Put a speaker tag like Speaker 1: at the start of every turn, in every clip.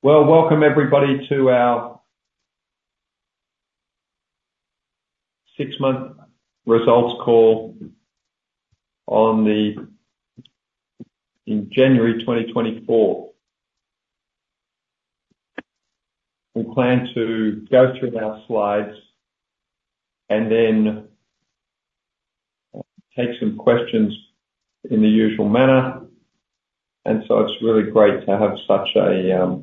Speaker 1: Well, welcome everybody to our Six-Month Results Call, in January 2024. We plan to go through our slides and then take some questions in the usual manner, and so it's really great to have such a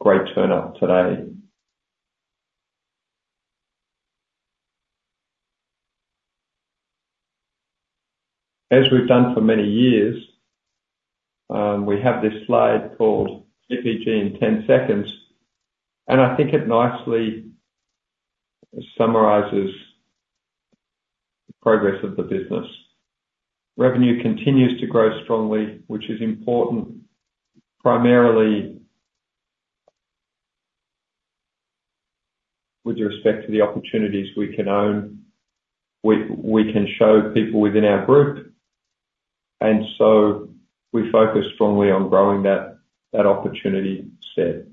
Speaker 1: great turnout today. As we've done for many years, we have this slide called KPG in 10 seconds, and I think it nicely summarizes the progress of the business. Revenue continues to grow strongly, which is important, primarily with respect to the opportunities we can own. We can show people within our group, and so we focus strongly on growing that, that opportunity set.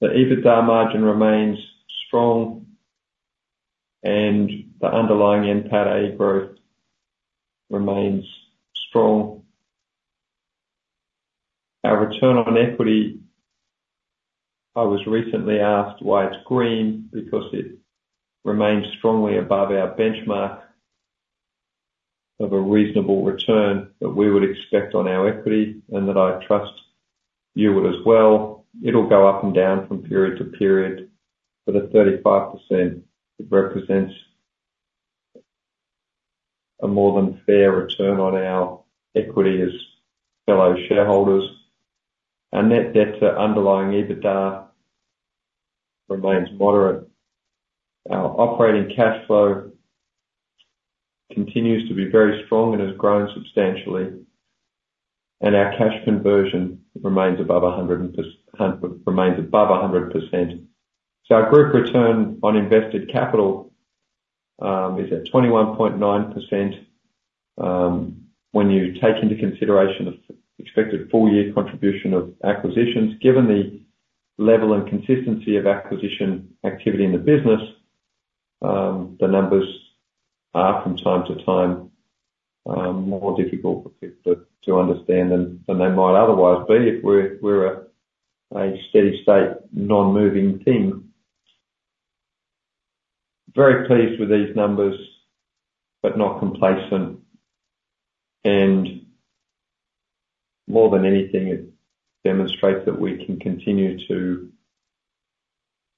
Speaker 1: The EBITDA margin remains strong, and the underlying NPATA growth remains strong. Our return on equity, I was recently asked why it's green, because it remains strongly above our benchmark of a reasonable return that we would expect on our equity, and that I trust you would as well. It'll go up and down from period to period, but at 35%, it represents a more than fair return on our equity as fellow shareholders. Our net debt to underlying EBITDA remains moderate. Our operating cash flow continues to be very strong and has grown substantially, and our cash conversion remains above a hundred percent. So our group return on invested capital is at 21.9%, when you take into consideration the expected full year contribution of acquisitions. Given the level and consistency of acquisition activity in the business, the numbers are from time to time more difficult for people to understand than they might otherwise be if we're a steady state, non-moving thing. Very pleased with these numbers, but not complacent, and more than anything, it demonstrates that we can continue to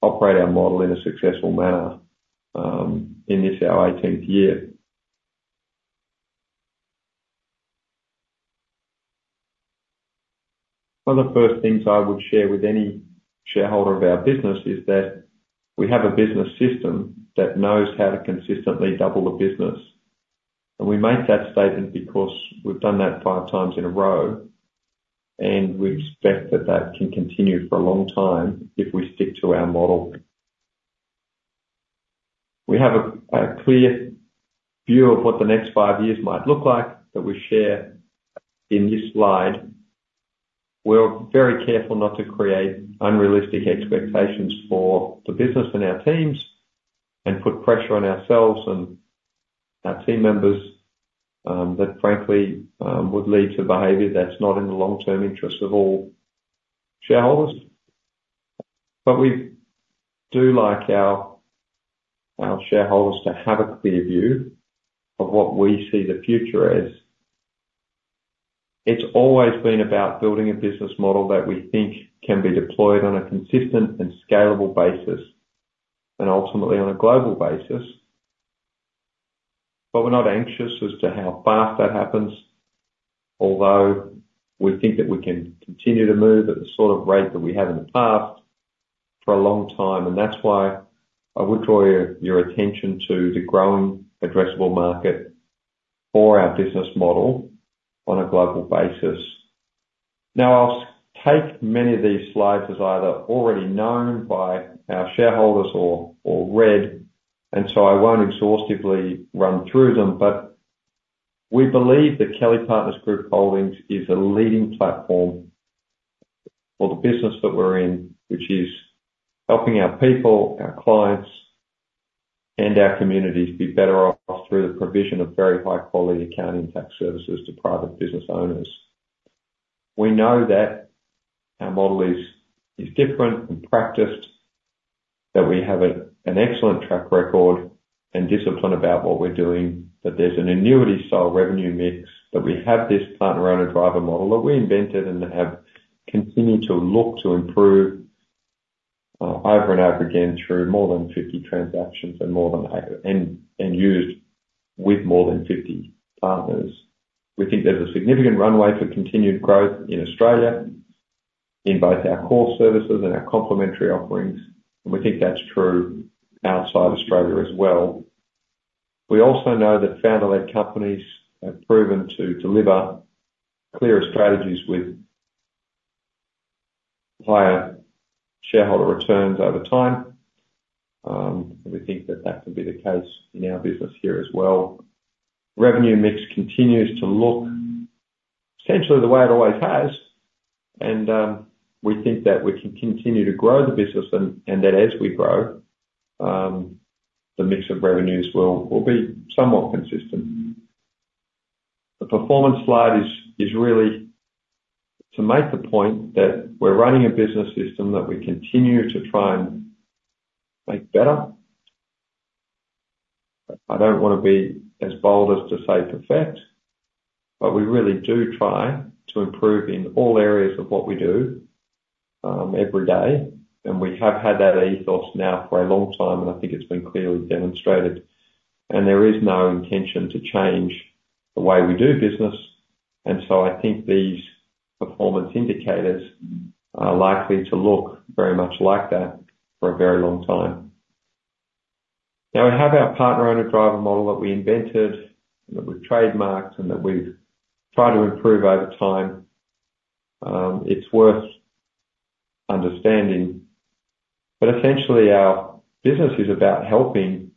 Speaker 1: operate our model in a successful manner, in this, our eighteenth year. One of the first things I would share with any shareholder of our business is that we have a business system that knows how to consistently double the business. We make that statement because we've done that five times in a row, and we expect that that can continue for a long time if we stick to our model. We have a clear view of what the next five years might look like, that we share in this slide. We're very careful not to create unrealistic expectations for the business and our teams, and put pressure on ourselves and our team members that frankly would lead to behavior that's not in the long-term interest of all shareholders. But we do like our shareholders to have a clear view of what we see the future is. It's always been about building a business model that we think can be deployed on a consistent and scalable basis, and ultimately on a global basis. But we're not anxious as to how fast that happens, although we think that we can continue to move at the sort of rate that we have in the past for a long time, and that's why I would draw your attention to the growing addressable market for our business model on a global basis. Now, I'll take many of these slides as either already known by our shareholders or read, and so I won't exhaustively run through them, but we believe that Kelly Partners Group Holdings is a leading platform for the business that we're in, which is helping our people, our clients, and our communities be better off through the provision of very high quality accounting tax services to private business owners. We know that our model is different and practiced, that we have an excellent track record and discipline about what we're doing, that there's an annuity-style revenue mix, that we have this Partner-Owner-Driver model that we invented and have continued to look to improve over and over again through more than 50 transactions and used with more than 50 partners. We think there's a significant runway for continued growth in Australia, in both our core services and our complementary offerings, and we think that's true outside Australia as well. We also know that founder-led companies have proven to deliver clearer strategies with higher shareholder returns over time. We think that will be the case in our business here as well. Revenue mix continues to look essentially the way it always has, and we think that we can continue to grow the business and that as we grow, the mix of revenues will be somewhat consistent. The performance slide is really to make the point that we're running a business system that we continue to try and make better. I don't wanna be as bold as to say perfect, but we really do try to improve in all areas of what we do, every day, and we have had that ethos now for a long time, and I think it's been clearly demonstrated. There is no intention to change the way we do business. So I think these performance indicators are likely to look very much like that for a very long time. Now, we have our Partner-Owner-Driver Model that we invented, and that we've trademarked, and that we've tried to improve over time. It's worth understanding, but essentially, our business is about helping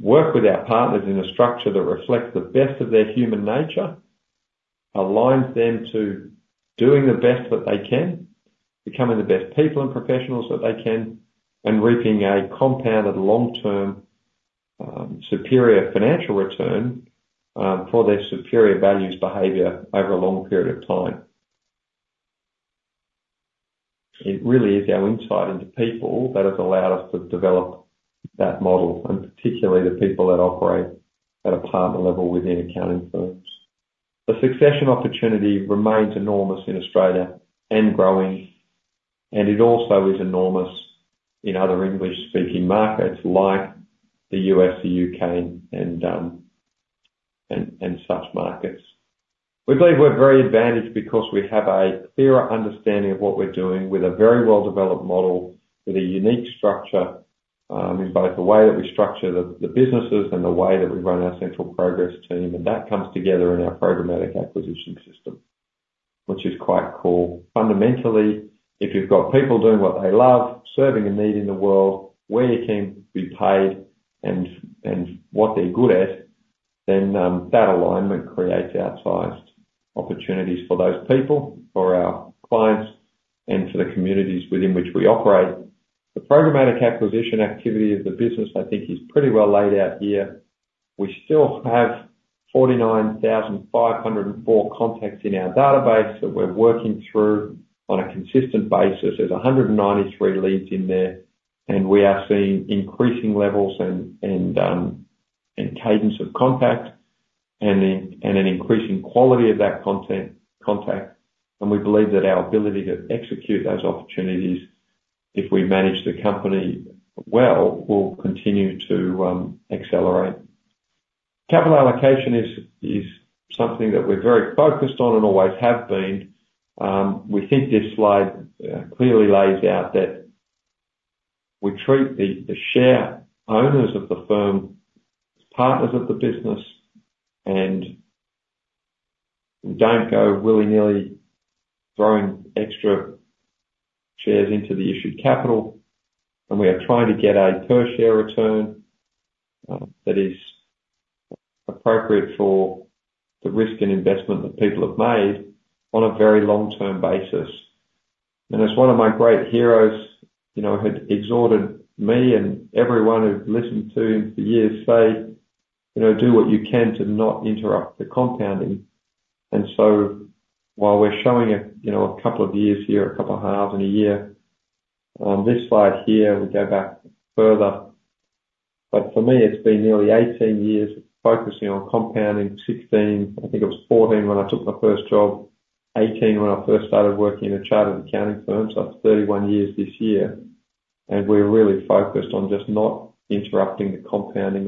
Speaker 1: work with our partners in a structure that reflects the best of their human nature, aligns them to doing the best that they can, becoming the best people and professionals that they can, and reaping a compounded long-term, superior financial return, for their superior values behavior over a long period of time. It really is our insight into people that has allowed us to develop that model, and particularly the people that operate at a partner level within accounting firms. The succession opportunity remains enormous in Australia and growing, and it also is enormous in other English-speaking markets like the U.S., the U.K., and such markets. We believe we're very advantaged because we have a clearer understanding of what we're doing with a very well-developed model, with a unique structure, in both the way that we structure the, the businesses and the way that we run our central progress team, and that comes together in our programmatic acquisition system, which is quite cool. Fundamentally, if you've got people doing what they love, serving a need in the world, where you can be paid and what they're good at, then, that alignment creates outsized opportunities for those people, for our clients, and to the communities within which we operate. The programmatic acquisition activity of the business, I think, is pretty well laid out here. We still have 49,504 contacts in our database that we're working through on a consistent basis. There's 193 leads in there, and we are seeing increasing levels and cadence of contact and an increasing quality of that contact. We believe that our ability to execute those opportunities, if we manage the company well, will continue to accelerate. Capital allocation is something that we're very focused on and always have been. We think this slide clearly lays out that we treat the share-owners of the firm as partners of the business, and we don't go willy-nilly throwing extra shares into the issued capital, and we are trying to get a per share return that is appropriate for the risk and investment that people have made on a very long-term basis. And as one of my great heroes, you know, had exhorted me and everyone who'd listened to him for years say, "You know, do what you can to not interrupt the compounding." And so while we're showing a, you know, a couple of years here, a couple of halves in a year, on this slide here, we go back further. But for me, it's been nearly 18 years focusing on compounding. 16, I think it was 14 when I took my first job, 18 when I first started working in a chartered accounting firm, so that's 31 years this year. And we're really focused on just not interrupting the compounding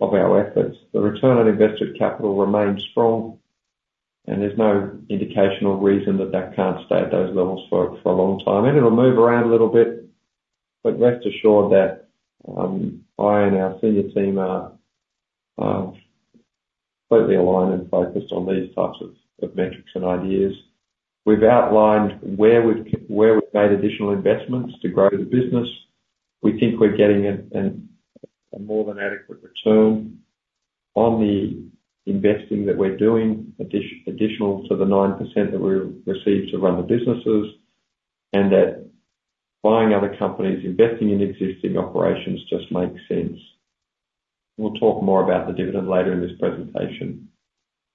Speaker 1: of our efforts. The return on invested capital remains strong, and there's no indication or reason that that can't stay at those levels for a long time. It'll move around a little bit, but rest assured that I and our senior team are closely aligned and focused on these types of metrics and ideas. We've outlined where we've made additional investments to grow the business. We think we're getting a more than adequate return on the investing that we're doing, additional to the 9% that we receive to run the businesses, and that buying other companies, investing in existing operations just makes sense. We'll talk more about the dividend later in this presentation.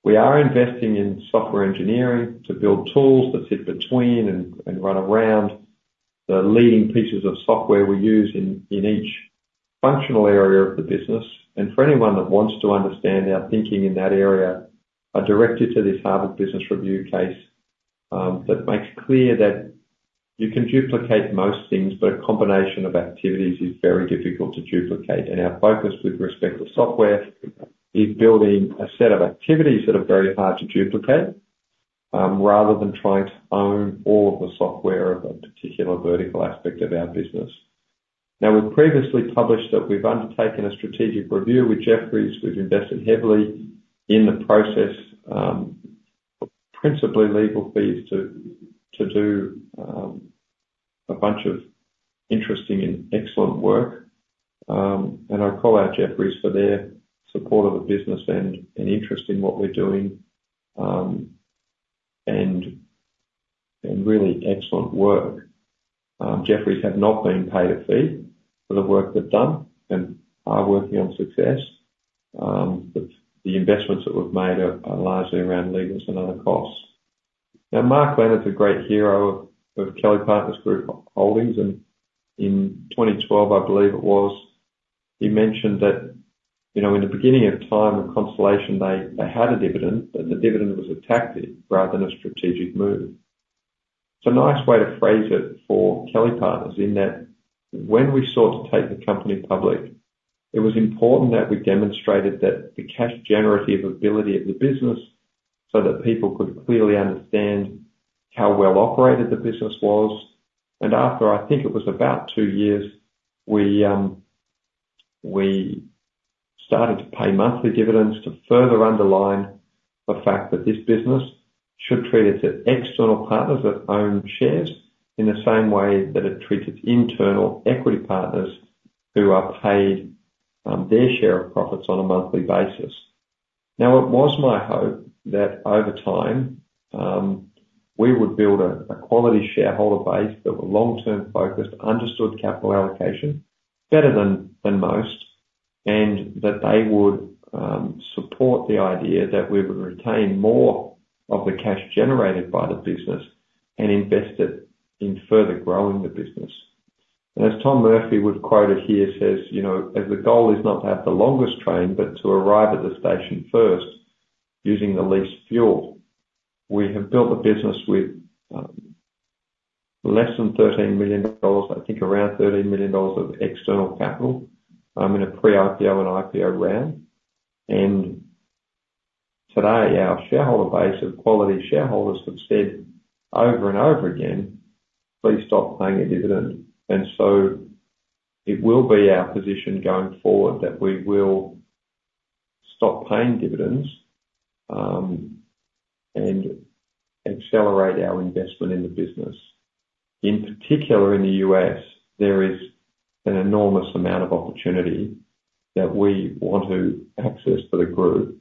Speaker 1: We are investing in software engineering to build tools that sit between and run around the leading pieces of software we use in each functional area of the business. For anyone that wants to understand our thinking in that area, I direct you to this Harvard Business Review case that makes clear that you can duplicate most things, but a combination of activities is very difficult to duplicate. Our focus with respect to software is building a set of activities that are very hard to duplicate, rather than trying to own all of the software of a particular vertical aspect of our business. Now, we've previously published that we've undertaken a strategic review with Jefferies. We've invested heavily in the process, principally legal fees to do a bunch of interesting and excellent work. I call out Jefferies for their support of the business and interest in what we're doing, and really excellent work. Jefferies have not been paid a fee for the work they've done and are working on success. But the investments that we've made are largely around legals and other costs. Now, Mark Leonard's a great hero of Kelly Partners Group Holdings, and in 2012, I believe it was, he mentioned that, you know, in the beginning of time and Constellation, they had a dividend, but the dividend was a tactic rather than a strategic move. It's a nice way to phrase it for Kelly Partners, in that when we sought to take the company public, it was important that we demonstrated that the cash generative ability of the business, so that people could clearly understand how well operated the business was. After, I think it was about two years, we started to pay monthly dividends to further underline the fact that this business should treat its external partners that own shares in the same way that it treats its internal equity partners, who are paid their share of profits on a monthly basis. Now, it was my hope that over time, we would build a quality shareholder base that were long-term focused, understood capital allocation better than most, and that they would support the idea that we would retain more of the cash generated by the business and invest it in further growing the business. And as Tom Murphy would quote it here, says, "You know, as the goal is not to have the longest train, but to arrive at the station first, using the least fuel." We have built a business with, less than 13 million dollars, I think around 13 million dollars of external capital, in a pre-IPO and IPO round. And today, our shareholder base of quality shareholders have said over and over again, "Please stop paying a dividend." And so it will be our position going forward that we will stop paying dividends, and accelerate our investment in the business. In particular, in the U.S., there is an enormous amount of opportunity that we want to access for the group.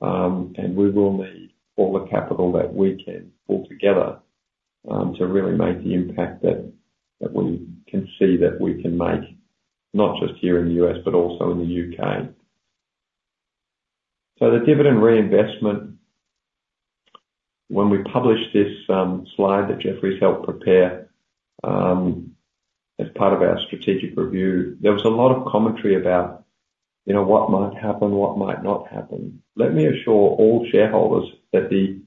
Speaker 1: And we will need all the capital that we can pull together, to really make the impact that we can see that we can make, not just here in the U.S., but also in the U.K. So the dividend reinvestment, when we published this, slide that Jefferies helped prepare, as part of our strategic review, there was a lot of commentary about, you know, what might happen, what might not happen. Let me assure all shareholders that the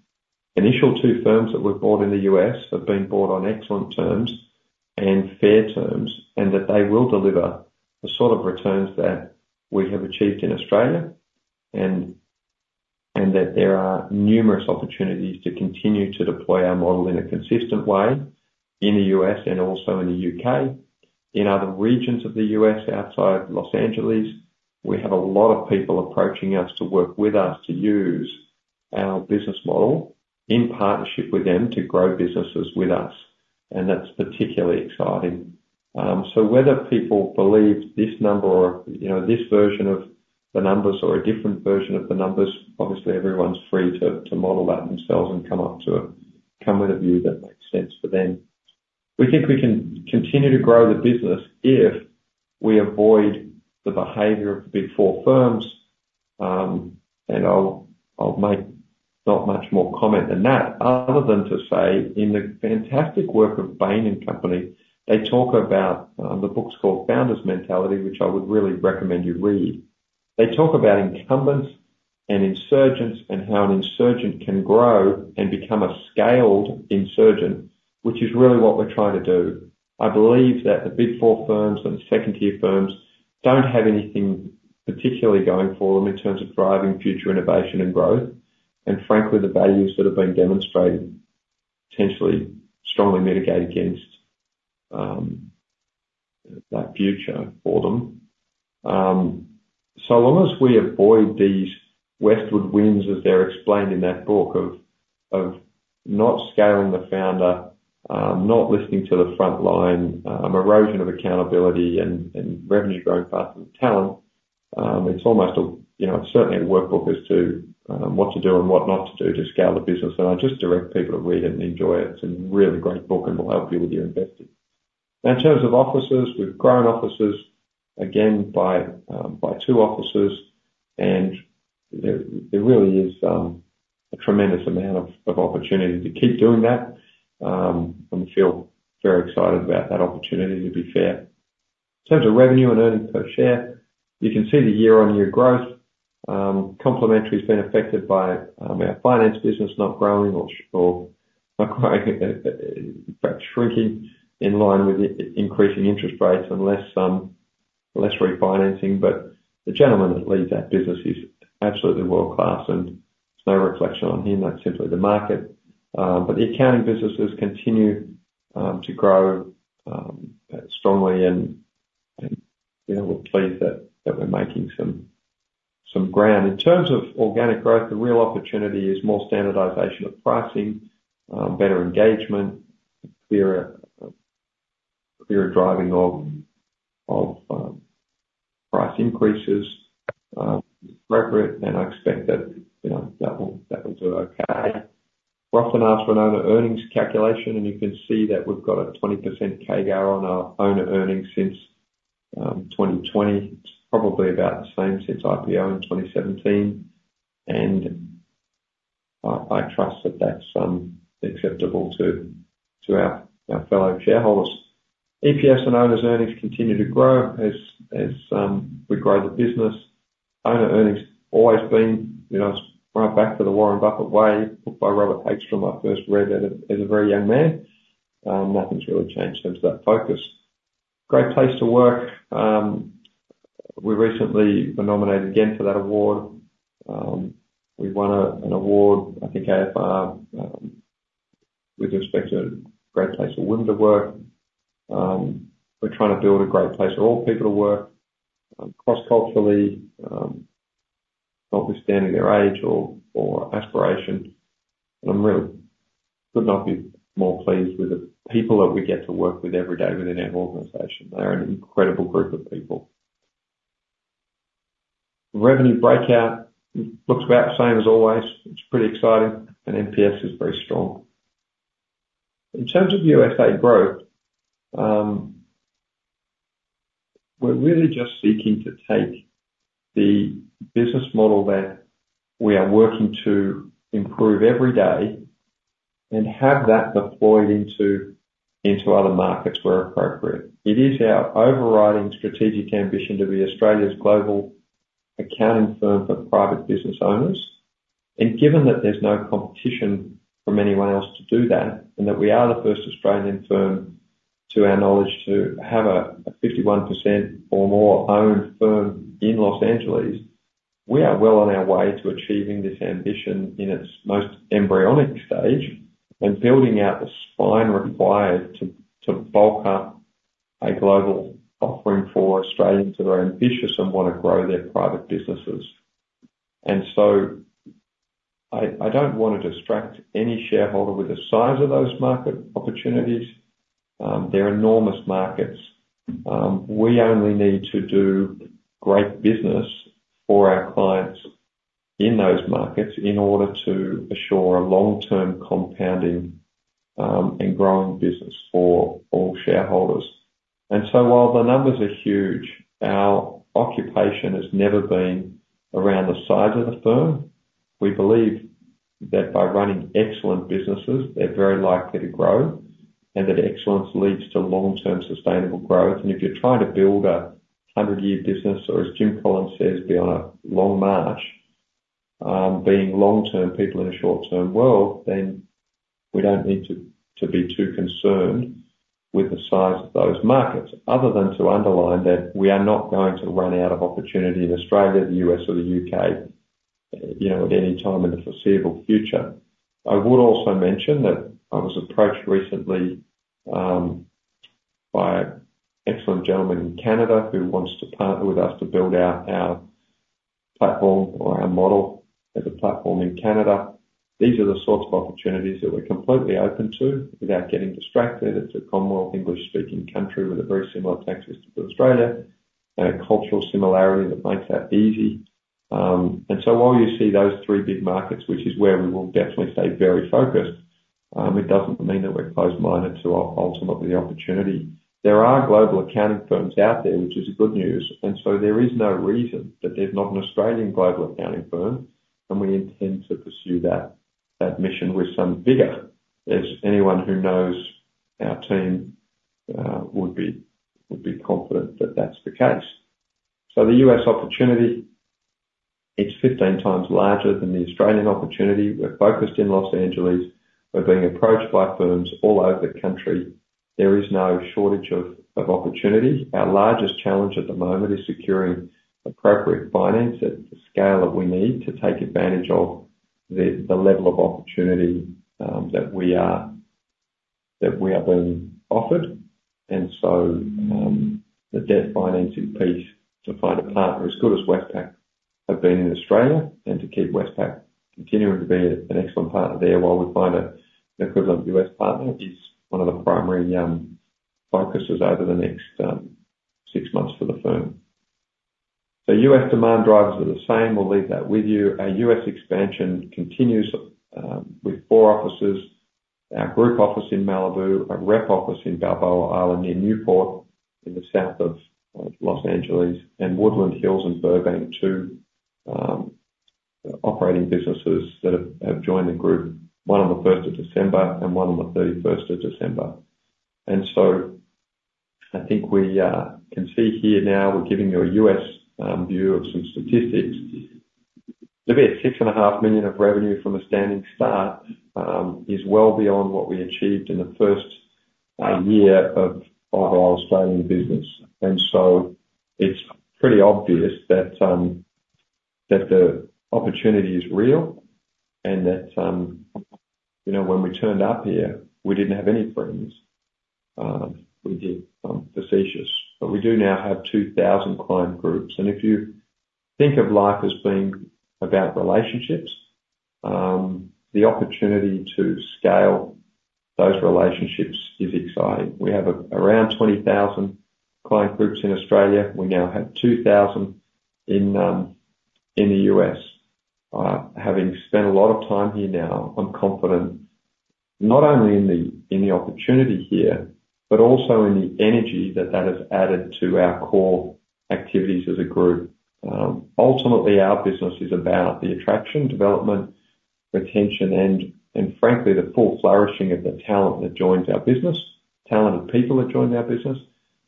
Speaker 1: initial two firms that were bought in the U.S., have been bought on excellent terms and fair terms, and that they will deliver the sort of returns that we have achieved in Australia, and that there are numerous opportunities to continue to deploy our model in a consistent way in the U.S. and also in the U.K. In other regions of the U.S., outside Los Angeles, we have a lot of people approaching us to work with us, to use our business model in partnership with them to grow businesses with us, and that's particularly exciting. So whether people believe this number or, you know, this version of the numbers or a different version of the numbers, obviously everyone's free to model that themselves and come with a view that makes sense for them. We think we can continue to grow the business if we avoid the behavior of the Big Four firms. And I'll make not much more comment than that, other than to say, in the fantastic work of Bain & Company, they talk about the book's called Founder's Mentality, which I would really recommend you read. They talk about incumbents and insurgents, and how an insurgent can grow and become a scaled insurgent, which is really what we're trying to do. I believe that the Big Four firms and second-tier firms don't have anything particularly going for them in terms of driving future innovation and growth, and frankly, the values that have been demonstrated potentially strongly mitigate against that future for them. So long as we avoid these westward winds, as they're explained in that book, of not scaling the founder, not listening to the front line, erosion of accountability, and revenue growth path and talent, it's almost, you know, certainly a workbook as to what to do and what not to do to scale the business. I just direct people to read it and enjoy it. It's a really great book, and it'll help you with your investing. In terms of offices, we've grown offices again by 2 offices, and there really is a tremendous amount of opportunity to keep doing that. And we feel very excited about that opportunity, to be fair. In terms of revenue and earnings per share, you can see the year-on-year growth. Complementary has been affected by our finance business not growing or acquiring, in fact, shrinking in line with the increasing interest rates and less refinancing, but the gentleman that leads that business is absolutely world-class, and it's no reflection on him, that's simply the market. But the accounting businesses continue to grow strongly, and, you know, we're pleased that we're making some ground. In terms of organic growth, the real opportunity is more standardization of pricing, better engagement, a clearer driving of price increases wherever, and I expect that, you know, that will do okay. We're often asked for an owner earnings calculation, and you can see that we've got a 20% CAGR on our owner earnings since 2020. It's probably about the same since IPO in 2017, and I trust that that's acceptable to our fellow shareholders. EPS and owners' earnings continue to grow as we grow the business. Owner earnings always been, you know, right back to the Warren Buffett Way, book by Robert Hagstrom. I first read that as a very young man. Nothing's really changed in terms of that focus. Great Place to Work. We recently were nominated again for that award. We won an award, I think, AFR, with respect to great place for women to work. We're trying to build a great place for all people to work, cross-culturally, notwithstanding their age or aspiration. And I really could not be more pleased with the people that we get to work with every day within our organization. They're an incredible group of people. Revenue breakout looks about the same as always. It's pretty exciting, and NPS is very strong. In terms of USA growth, we're really just seeking to take the business model that we are working to improve every day and have that deployed into other markets where appropriate. It is our overriding strategic ambition to be Australia's global accounting firm for private business owners. Given that there's no competition from anyone else to do that, and that we are the first Australian firm, to our knowledge, to have a 51% or more owned firm in Los Angeles, we are well on our way to achieving this ambition in its most embryonic stage and building out the spine required to bulk up a global offering for Australians that are ambitious and wanna grow their private businesses. So I don't want to distract any shareholder with the size of those market opportunities. They're enormous markets. We only need to do great business for our clients in those markets in order to assure a long-term compounding and growing business for all shareholders. So while the numbers are huge, our occupation has never been around the size of the firm. We believe that by running excellent businesses, they're very likely to grow, and that excellence leads to long-term sustainable growth. If you're trying to build a hundred-year business, or as Jim Collins says, "Be on a long march," being long-term people in a short-term world, then we don't need to be too concerned with the size of those markets, other than to underline that we are not going to run out of opportunity in Australia, the U.S., or the U.K., you know, at any time in the foreseeable future. I would also mention that I was approached recently by an excellent gentleman in Canada who wants to partner with us to build out our platform or our model as a platform in Canada. These are the sorts of opportunities that we're completely open to without getting distracted. It's a Commonwealth English-speaking country with a very similar tax system to Australia and a cultural similarity that makes that easy. And so while you see those three big markets, which is where we will definitely stay very focused, it doesn't mean that we're closed-minded to our, ultimately, the opportunity. There are global accounting firms out there, which is a good news, and so there is no reason that there's not an Australian global accounting firm, and we intend to pursue that, that mission with some vigor. As anyone who knows our team would be, would be confident that that's the case. So the U.S. opportunity, it's 15x larger than the Australian opportunity. We're focused in Los Angeles. We're being approached by firms all over the country. There is no shortage of opportunity. Our largest challenge at the moment is securing appropriate finance at the scale that we need to take advantage of the level of opportunity that we are being offered. So, the debt financing piece, to find a partner as good as Westpac have been in Australia, and to keep Westpac continuing to be an excellent partner there while we find a equivalent U.S. partner, is one of the primary focuses over the next six months for the firm. The U.S. demand drivers are the same. We'll leave that with you. Our U.S. expansion continues with four offices, our group office in Malibu, a rep office in Balboa Island, near Newport, in the south of Los Angeles, and Woodland Hills and Burbank, two operating businesses that have joined the group, one on the first of December and one on the thirty-first of December. And so I think we can see here now, we're giving you a U.S. view of some statistics. To be at $6.5 million of revenue from a standing start is well beyond what we achieved in the first year of our Australian business. And so it's pretty obvious that the opportunity is real and that, you know, when we turned up here, we didn't have any friends. We did facetious, but we do now have 2,000 client groups, and if you think of life as being about relationships, the opportunity to scale those relationships is exciting. We have around 20,000 client groups in Australia. We now have 2,000 in the US. Having spent a lot of time here now, I'm confident not only in the opportunity here, but also in the energy that that has added to our core activities as a group. Ultimately, our business is about the attraction, development, retention, and frankly, the full flourishing of the talent that joins our business. Talented people that join our business.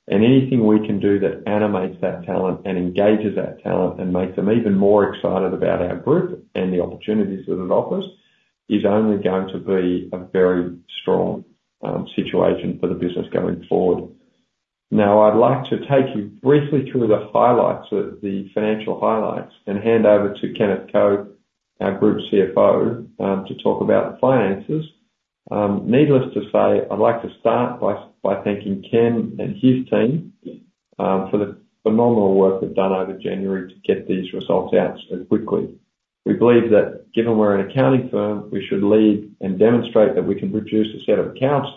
Speaker 1: Anything we can do that animates that talent and engages that talent and makes them even more excited about our group and the opportunities that it offers is only going to be a very strong situation for the business going forward. Now, I'd like to take you briefly through the highlights of the financial highlights and hand over to Kenneth Ko, our Group CFO, to talk about the finances. Needless to say, I'd like to start by thanking Ken and his team for the phenomenal work they've done over January to get these results out so quickly. We believe that given we're an accounting firm, we should lead and demonstrate that we can produce a set of accounts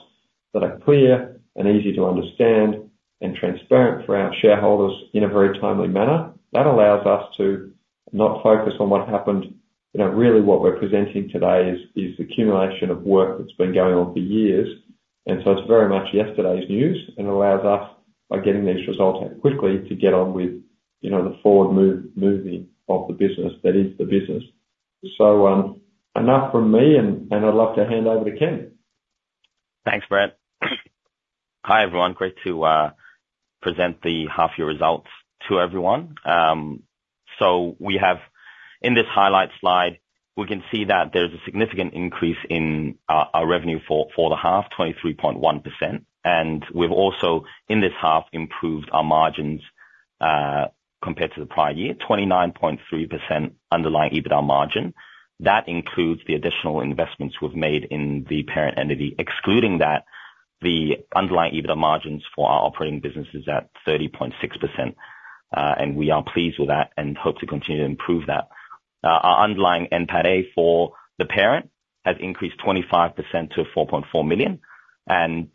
Speaker 1: that are clear and easy to understand, and transparent for our shareholders in a very timely manner. That allows us to not focus on what happened. You know, really what we're presenting today is the accumulation of work that's been going on for years, and so it's very much yesterday's news and allows us, by getting these results out quickly, to get on with, you know, the forward move, moving of the business, that is the business. So, enough from me, and I'd love to hand over to Ken.
Speaker 2: Thanks, Brett. Hi, everyone. Great to present the half year results to everyone. So we have--in this highlight slide, we can see that there's a significant increase in our revenue for the half, 23.1%. And we've also, in this half, improved our margins, compared to the prior year, 29.3% underlying EBITDA margin. That includes the additional investments we've made in the parent entity. Excluding that, the underlying EBITDA margins for our operating business is at 30.6%, and we are pleased with that and hope to continue to improve that. Our underlying NPATA for the parent, has increased 25% to 4.4 million. And,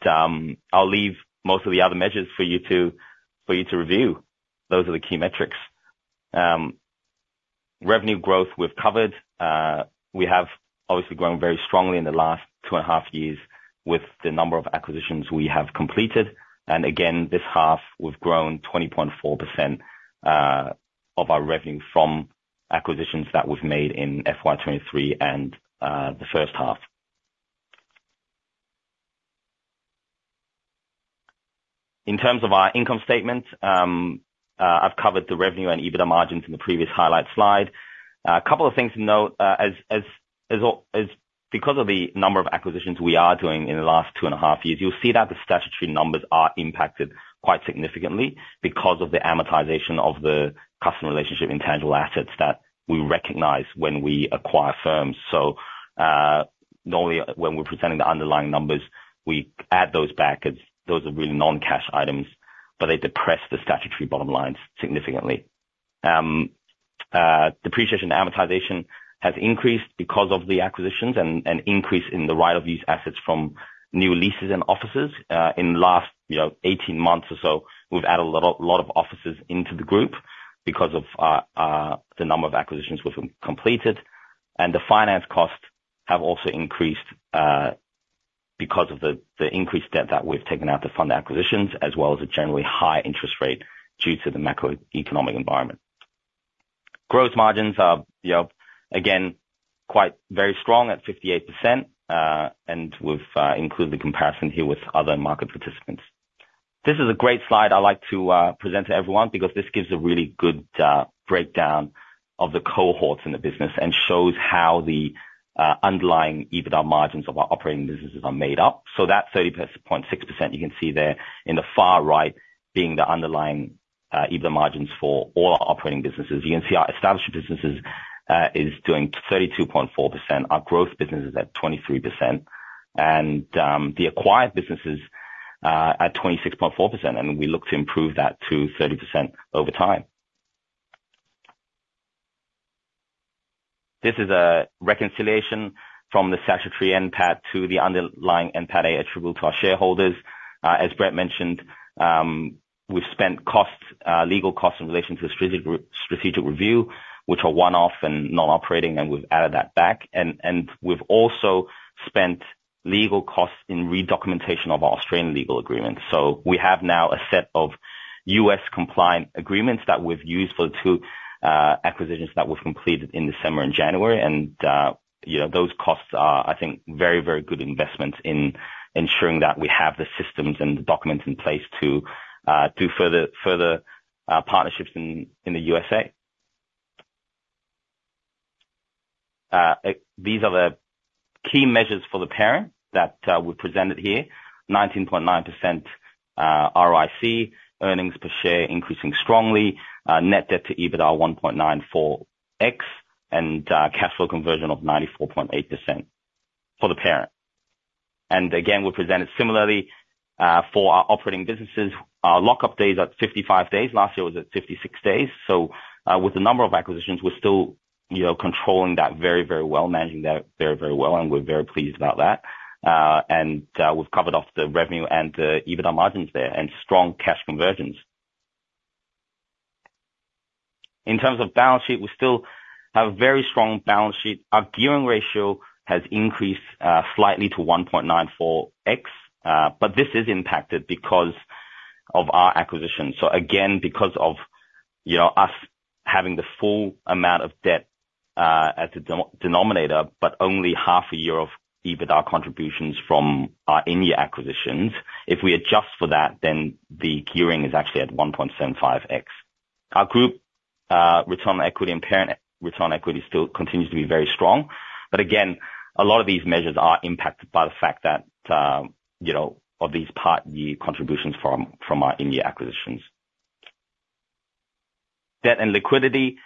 Speaker 2: I'll leave most of the other measures for you to review. Those are the key metrics. Revenue growth, we've covered. We have obviously grown very strongly in the last two and a half years with the number of acquisitions we have completed. And again, this half, we've grown 20.4% of our revenue from acquisitions that we've made in FY 2023 and the first half. In terms of our income statement, I've covered the revenue and EBITDA margins in the previous highlight slide. A couple of things to note, because of the number of acquisitions we are doing in the last two and a half years, you'll see that the statutory numbers are impacted quite significantly because of the amortization of the customer relationship intangible assets that we recognize when we acquire firms. So, normally, when we're presenting the underlying numbers, we add those back, as those are really non-cash items, but they depress the statutory bottom line significantly. Depreciation and amortization has increased because of the acquisitions and increase in the right-of-use assets from new leases and offices. In the last, you know, 18 months or so, we've added a lot of offices into the group because of the number of acquisitions we've completed. And the finance costs have also increased because of the increased debt that we've taken out to fund acquisitions, as well as the generally high interest rate due to the macroeconomic environment. Gross margins are, you know, again, quite very strong at 58%, and we've included the comparison here with other market participants. This is a great slide I like to present to everyone because this gives a really good breakdown of the cohorts in the business and shows how the underlying EBITDA margins of our operating businesses are made up. So that 30.6% you can see there in the far right, being the underlying EBITDA margins for all our operating businesses. You can see our established businesses is doing 32.4%, our growth business is at 23%, and the acquired business is at 26.4%, and we look to improve that to 30% over time. This is a reconciliation from the statutory NPAT to the underlying NPATA attributable to our shareholders. As Brett mentioned, we've spent costs, legal costs in relation to the strategic review, which are one-off and non-operating, and we've added that back. We've also spent legal costs in redocumentation of our Australian legal agreement. So we have now a set of U.S. compliant agreements that we've used for the two acquisitions that were completed in December and January, and, you know, those costs are, I think, very, very good investments in ensuring that we have the systems and the documents in place to do further partnerships in the USA. These are the key measures for the parent that we presented here. 19.9% ROIC, earnings per share increasing strongly, net debt to EBITDA 1.94x, and cash flow conversion of 94.8% for the parent. And again, we presented similarly for our operating businesses. Our lock-up days at 55 days. Last year was at 56 days. So, with the number of acquisitions, we're still, you know, controlling that very, very well, managing that very, very well, and we're very pleased about that. And we've covered off the revenue and the EBITDA margins there, and strong cash conversions. In terms of balance sheet, we still have a very strong balance sheet. Our gearing ratio has increased slightly to 1.94x, but this is impacted because of our acquisition. So again, because of, you know, us having the full amount of debt as the denominator, but only half a year of EBITDA contributions from our in-year acquisitions. If we adjust for that, then the gearing is actually at 1.75x. Our group return on equity and parent return on equity still continues to be very strong. But again, a lot of these measures are impacted by the fact that, you know, of these part-year contributions from our in-year acquisitions. Debt and liquidity,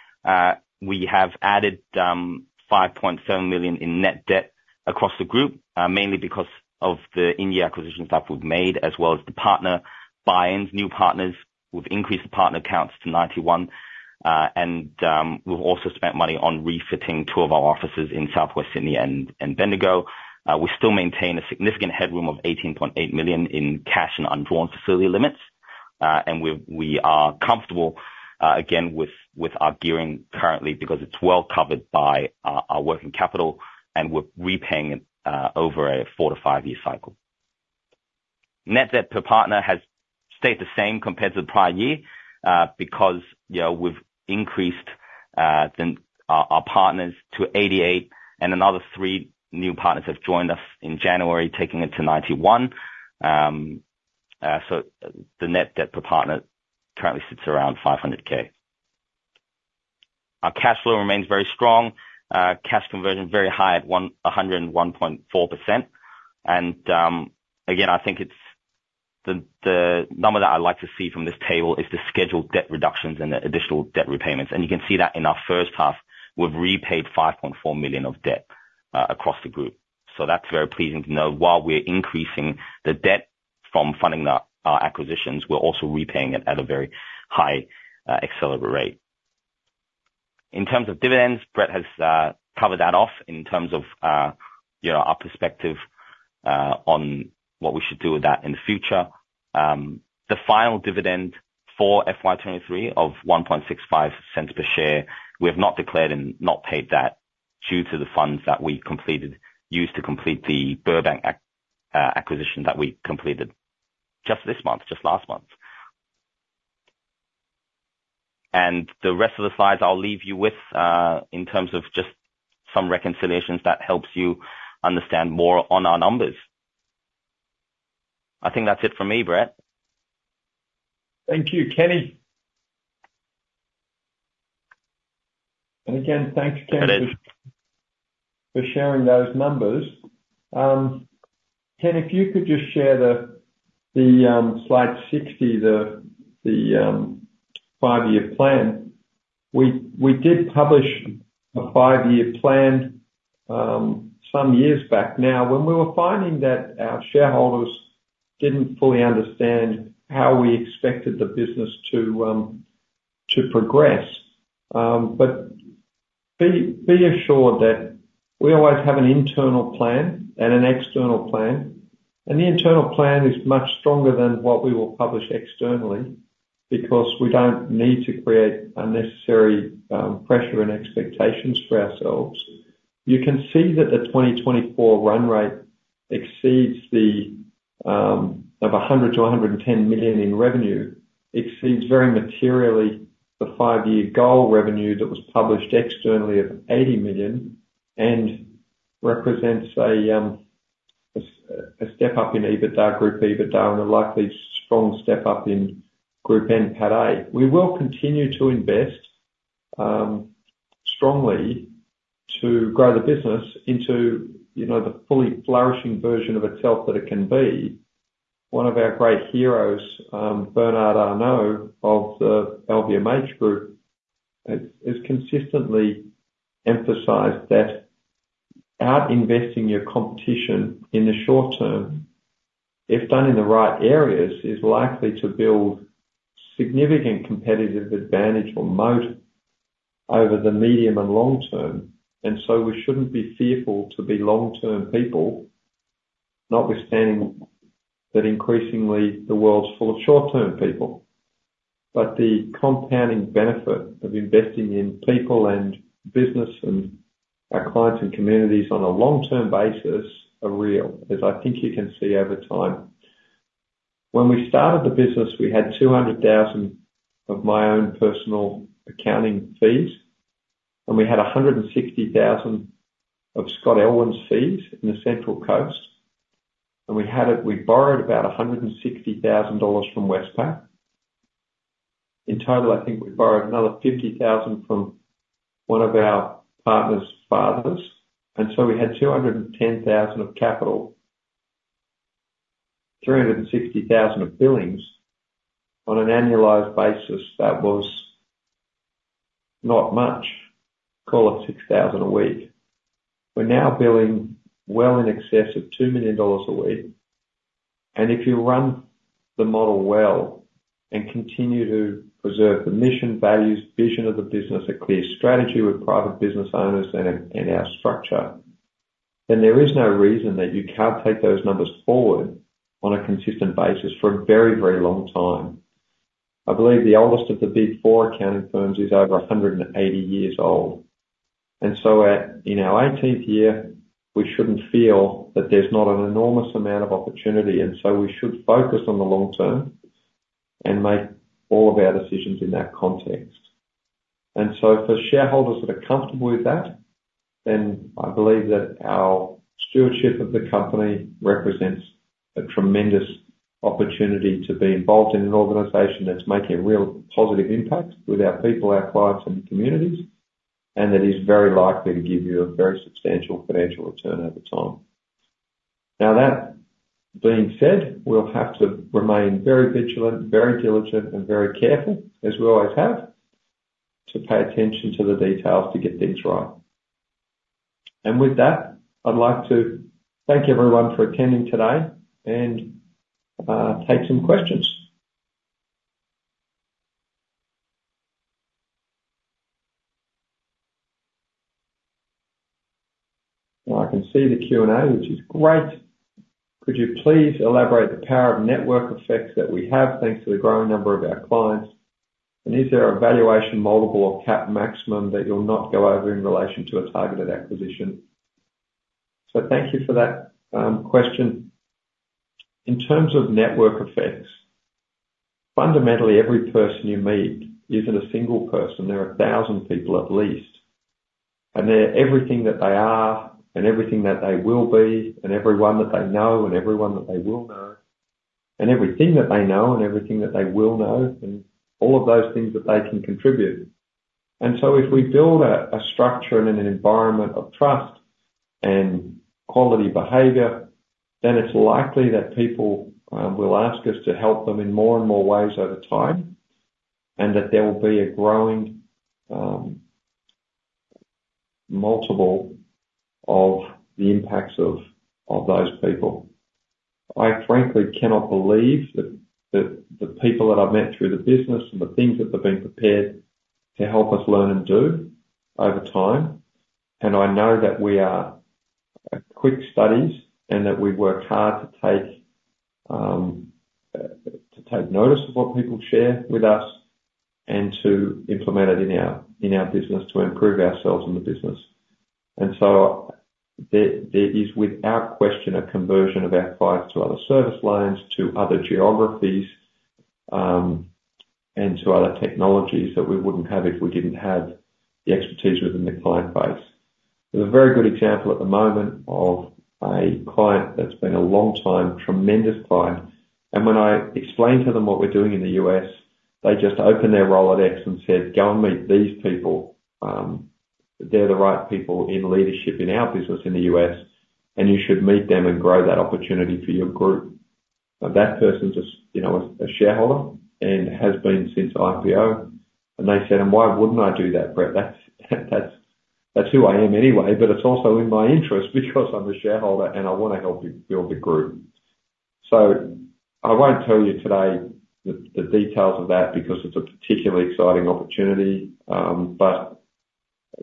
Speaker 2: we have added 5.7 million in net debt across the group, mainly because of the in-year acquisitions that we've made, as well as the partner buy-ins. New partners. We've increased the partner counts to 91, and we've also spent money on refitting two of our offices in Southwest Sydney and Bendigo. We still maintain a significant headroom of 18.8 million in cash and undrawn facility limits. We are comfortable, again, with our gearing currently because it's well covered by our working capital, and we're repaying it over a 4-5-year cycle. Net debt per partner has stayed the same compared to the prior year, because, you know, we've increased our partners to 88, and another three new partners have joined us in January, taking it to 91. So the net debt per partner currently sits around 500K. Our cash flow remains very strong. Cash conversion is very high at 101.4%. Again, I think it's the number that I'd like to see from this table is the scheduled debt reductions and the additional debt repayments. You can see that in our first half, we've repaid 5.4 million of debt across the group. So that's very pleasing to know. While we're increasing the debt from funding our acquisitions, we're also repaying it at a very high accelerated rate. In terms of dividends, Brett has covered that off in terms of you know, our perspective on what we should do with that in the future. The final dividend for FY 2023 of 1.65 cents per share, we have not declared and not paid that due to the funds that we completed. Used to complete the Burbank acquisition that we completed just this month, just last month. And the rest of the slides I'll leave you with, in terms of just some reconciliations that helps you understand more on our numbers. I think that's it for me, Brett.
Speaker 1: Thank you, Kenny. And again, thanks, Kenny, for sharing those numbers. Ken, if you could just share the slide 60, the five-year plan. We did publish a five-year plan some years back now, when we were finding that our shareholders didn't fully understand how we expected the business to progress. But be assured that we always have an internal plan and an external plan, and the internal plan is much stronger than what we will publish externally, because we don't need to create unnecessary pressure and expectations for ourselves. You can see that the 2024 run rate exceeds the of 100 million-110 million in revenue, exceeds very materially the five-year goal revenue that was published externally of 80 million, and represents a step up in EBITDA, group EBITDA, and a likely strong step up in group NPATA. We will continue to invest strongly to grow the business into, you know, the fully flourishing version of itself that it can be. One of our great heroes, Bernard Arnault of the LVMH group, has consistently emphasized that out-investing your competition in the short term, if done in the right areas, is likely to build significant competitive advantage or moat over the medium and long term. And so we shouldn't be fearful to be long-term people, notwithstanding that increasingly the world's full of short-term people. But the compounding benefit of investing in people, and business, and our clients and communities on a long-term basis are real, as I think you can see over time. When we started the business, we had 200,000 of my own personal accounting fees, and we had 160,000 of Scott Elwin's fees in the Central Coast, and we borrowed about 160,000 dollars from Westpac. In total, I think we borrowed another 50,000 from one of our partner's fathers, and so we had 210,000 of capital, 360,000 of billings. On an annualized basis, that was not much. Call it 6,000 a week. We're now billing well in excess of 2 million dollars a week, and if you run the model well and continue to preserve the mission, values, vision of the business, a clear strategy with private business owners and our structure, then there is no reason that you can't take those numbers forward on a consistent basis for a very, very long time. I believe the oldest of the Big Four accounting firms is over 180 years old, and so in our 18th year, we shouldn't feel that there's not an enormous amount of opportunity, and so we should focus on the long term and make all of our decisions in that context. And so for shareholders that are comfortable with that, then I believe that our stewardship of the company represents a tremendous opportunity to be involved in an organization that's making a real positive impact with our people, our clients, and communities. And that is very likely to give you a very substantial financial return over time. Now, that being said, we'll have to remain very vigilant, very diligent, and very careful, as we always have, to pay attention to the details to get things right. And with that, I'd like to thank everyone for attending today and take some questions. I can see the Q&A, which is great. "Could you please elaborate the power of network effects that we have, thanks to the growing number of our clients? And is there a valuation, multiple, or cap maximum that you'll not go over in relation to a targeted acquisition?" So thank you for that question. In terms of network effects, fundamentally, every person you meet isn't a single person. They're 1,000 people, at least. And they're everything that they are, and everything that they will be, and everyone that they know, and everyone that they will know, and everything that they know, and everything that they will know, and all of those things that they can contribute. And so if we build a structure and an environment of trust and quality behavior, then it's likely that people will ask us to help them in more and more ways over time, and that there will be a growing multiple of the impacts of those people. I frankly cannot believe that the people that I've met through the business and the things that they've been prepared to help us learn and do over time, and I know that we are quick studies, and that we work hard to take notice of what people share with us and to implement it in our business, to improve ourselves in the business. And so there is, without question, a conversion of our clients to other service lines, to other geographies, and to other technologies that we wouldn't have if we didn't have the expertise within the client base. There's a very good example at the moment of a client that's been a long time, tremendous client, and when I explained to them what we're doing in the U.S., they just opened their Rolodex and said, "Go and meet these people. They're the right people in leadership in our business in the U.S., and you should meet them and grow that opportunity for your group." Now, that person's a s--you know, a shareholder and has been since IPO, and they said, "And why wouldn't I do that, Brett? That's who I am anyway, but it's also in my interest because I'm a shareholder, and I want to help you build the group." So I won't tell you today the details of that because it's a particularly exciting opportunity, but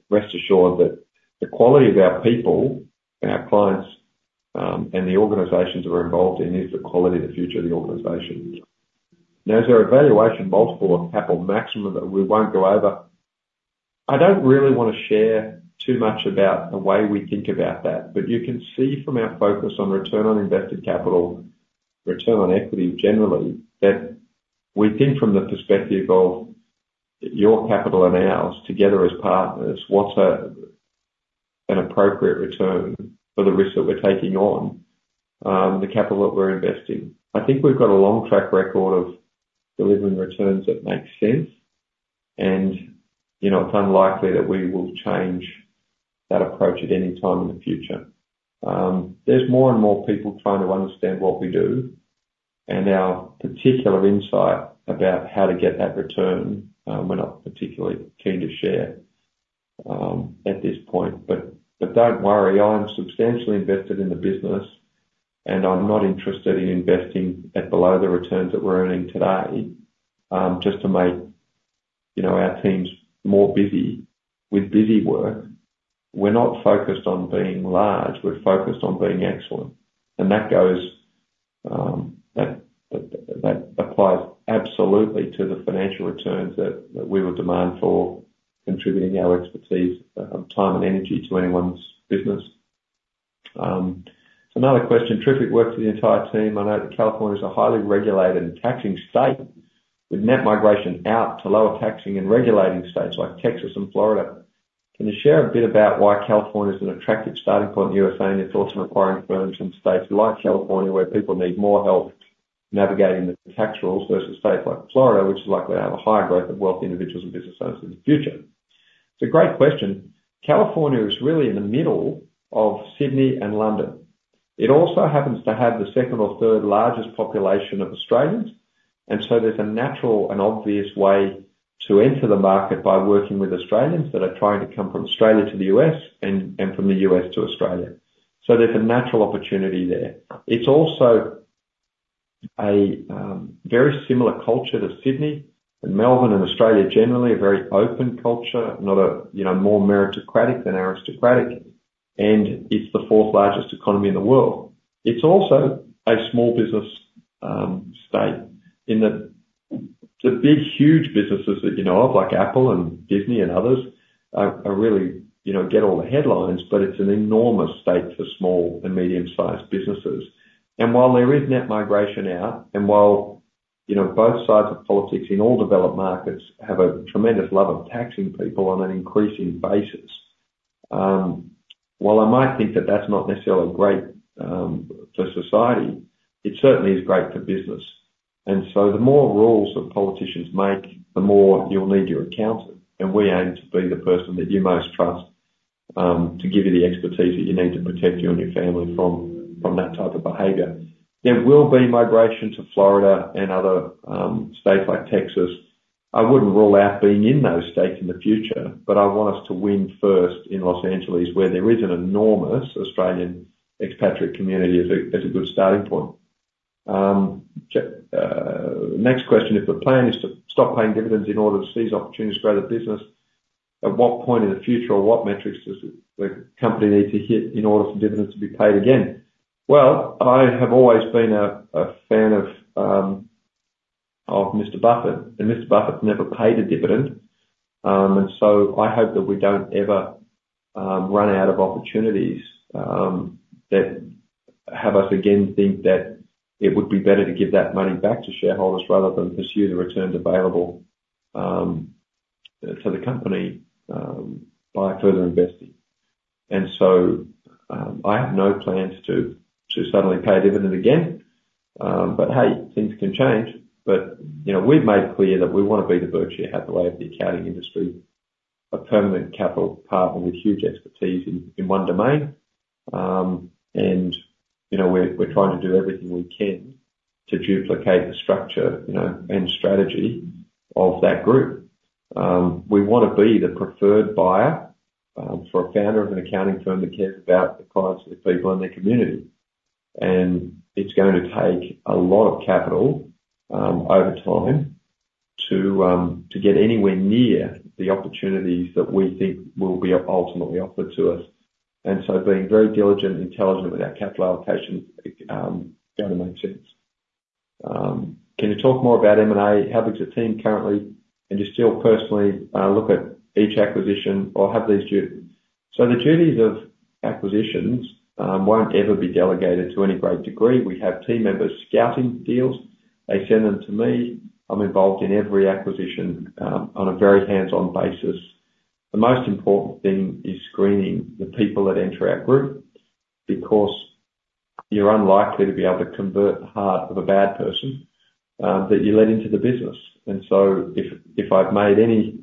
Speaker 1: rest assured that the quality of our people and our clients, and the organizations that we're involved in, is the quality of the future of the organization. Now, is there a valuation, multiple, or cap, or maximum that we won't go over?" I don't really want to share too much about the way we think about that, but you can see from our focus on return on invested capital, return on equity, generally, that we think from the perspective of your capital and ours together as partners, what's an appropriate return for the risk that we're taking on, the capital that we're investing? I think we've got a long track record of delivering returns that make sense, and, you know, it's unlikely that we will change that approach at any time in the future. There's more and more people trying to understand what we do and our particular insight about how to get that return, we're not particularly keen to share, at this point. But don't worry, I'm substantially invested in the business, and I'm not interested in investing at below the returns that we're earning today, just to make, you know, our teams more busy with busywork. We're not focused on being large. We're focused on being excellent, and that goes, that applies absolutely to the financial returns that we would demand for contributing our expertise, time, and energy to anyone's business. So another question. "Terrific work for the entire team. I know that California is a highly regulated and taxing state with net migration out to lower taxing and regulating states like Texas and Florida. Can you share a bit about why California is an attractive starting point in the USA, and your thoughts on acquiring firms in states like California, where people need more help navigating the tax rules versus states like Florida, which is likely to have a higher growth of wealthy individuals and business owners in the future? It's a great question. California is really in the middle of Sydney and London. It also happens to have the second or third largest population of Australians, and so there's a natural and obvious way to enter the market by working with Australians that are trying to come from Australia to the US and from the US to Australia. So there's a natural opportunity there. It's also a very similar culture to Sydney and Melbourne and Australia generally, a very open culture, not a you know more meritocratic than aristocratic, and it's the fourth largest economy in the world. It's also a small business state, in that the big huge businesses that you know of, like Apple and Disney and others, are really you know get all the headlines, but it's an enormous state for small-and-medium-sized businesses. And while there is net migration out, and while you know both sides of politics in all developed markets have a tremendous love of taxing people on an increasing basis while I might think that that's not necessarily great for society, it certainly is great for business. And so the more rules that politicians make, the more you'll need your accountant, and we aim to be the person that you most trust, to give you the expertise that you need to protect you and your family from, from that type of behavior. There will be migration to Florida and other, states like Texas. I wouldn't rule out being in those states in the future, but I want us to win first in Los Angeles, where there is an enormous Australian expatriate community as a good starting point. Next question: If the plan is to stop paying dividends in order to seize opportunities to grow the business, at what point in the future or what metrics does the, the company need to hit in order for dividends to be paid again? Well, I have always been a fan of Mr. Buffett, and Mr. Buffett's never paid a dividend. And so I hope that we don't ever run out of opportunities that have us again think that it would be better to give that money back to shareholders rather than pursue the returns available to the company by further investing. And so, I have no plans to suddenly pay a dividend again, but hey, things can change. But, you know, we've made clear that we wanna be the Berkshire Hathaway of the accounting industry, a permanent capital partner with huge expertise in one domain. And, you know, we're trying to do everything we can to duplicate the structure, you know, and strategy of that group. We wanna be the preferred buyer for a founder of an accounting firm that cares about the clients, the people in their community. It's gonna take a lot of capital over time to get anywhere near the opportunities that we think will be ultimately offered to us. Being very diligent and intelligent with our capital allocation gonna make sense. Can you talk more about M&A? How big is your team currently, and do you still personally look at each acquisition or have these duties? So the duties of acquisitions won't ever be delegated to any great degree. We have team members scouting deals. They send them to me. I'm involved in every acquisition on a very hands-on basis. The most important thing is screening the people that enter our group, because you're unlikely to be able to convert the heart of a bad person that you let into the business. And so if I've made any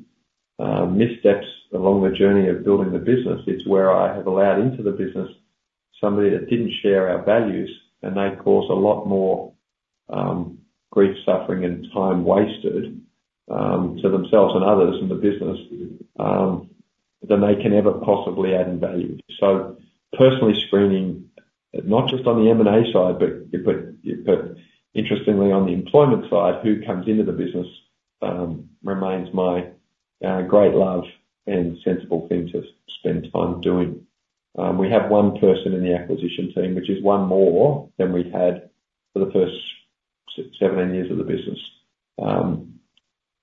Speaker 1: missteps along the journey of building the business, it's where I have allowed into the business somebody that didn't share our values, and they cause a lot more grief, suffering, and time wasted to themselves and others in the business than they can ever possibly add in value. So, personally screening, not just on the M&A side, but interestingly, on the employment side, who comes into the business, remains my great love and sensible thing to spend time doing. We have one person in the acquisition team, which is one more than we've had for the first seven, eight years of the business.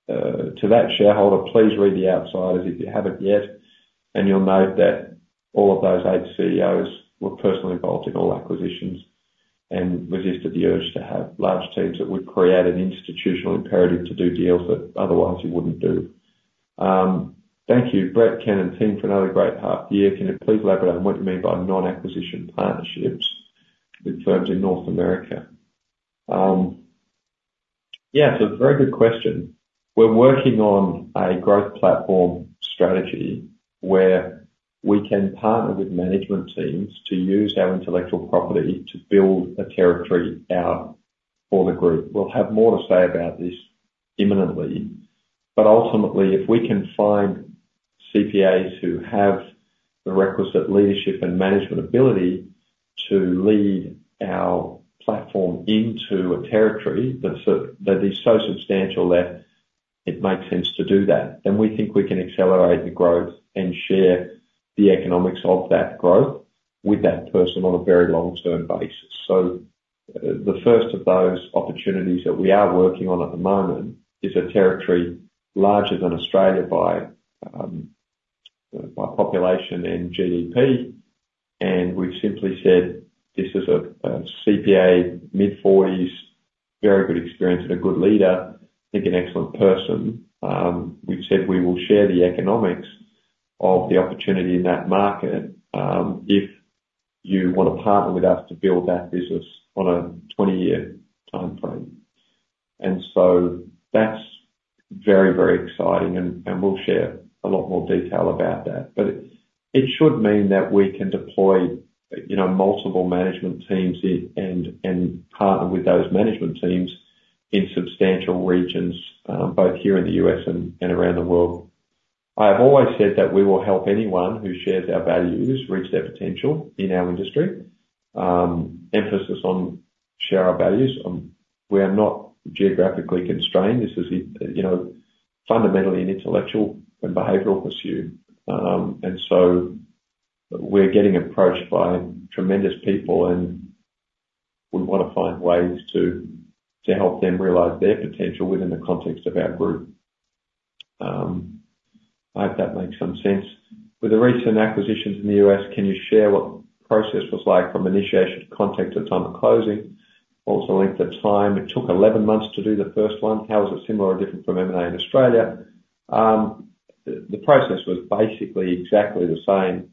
Speaker 1: To that shareholder, please read The Outsiders if you haven't yet, and you'll note that all of those eight CEOs were personally involved in all acquisitions and resisted the urge to have large teams that would create an institutional imperative to do deals that otherwise you wouldn't do. Thank you, Brett, Ken, and team, for another great half year. Can you please elaborate on what you mean by non-acquisition partnerships with firms in North America? Yeah, so very good question. We're working on a growth platform strategy, where we can partner with management teams to use our intellectual property to build a territory out for the group. We'll have more to say about this imminently, but ultimately, if we can find CPAs who have the requisite leadership and management ability to lead our platform into a territory that's so, that is so substantial that it makes sense to do that, then we think we can accelerate the growth and share the economics of that growth with that person on a very long-term basis. So the first of those opportunities that we are working on at the moment is a territory larger than Australia by population and GDP. We've simply said, "This is a CPA, mid-40s, very good experience and a good leader, I think an excellent person." We've said, "We will share the economics of the opportunity in that market, if you want to partner with us to build that business on a 20-year timeframe." And so that's very, very exciting, and we'll share a lot more detail about that. But it should mean that we can deploy, you know, multiple management teams in and partner with those management teams in substantial regions, both here in the U.S. and around the world. I have always said that we will help anyone who shares our values reach their potential in our industry. Emphasis on share our values. We are not geographically constrained. This is, you know, fundamentally an intellectual and behavioral pursuit. And so we're getting approached by tremendous people, and we want to find ways to help them realize their potential within the context of our group. I hope that makes some sense. With the recent acquisitions in the U.S., can you share what the process was like from initiation to contact to time of closing? Also, length of time? It took 11 months to do the first one. How is it similar or different from M&A in Australia? The process was basically exactly the same.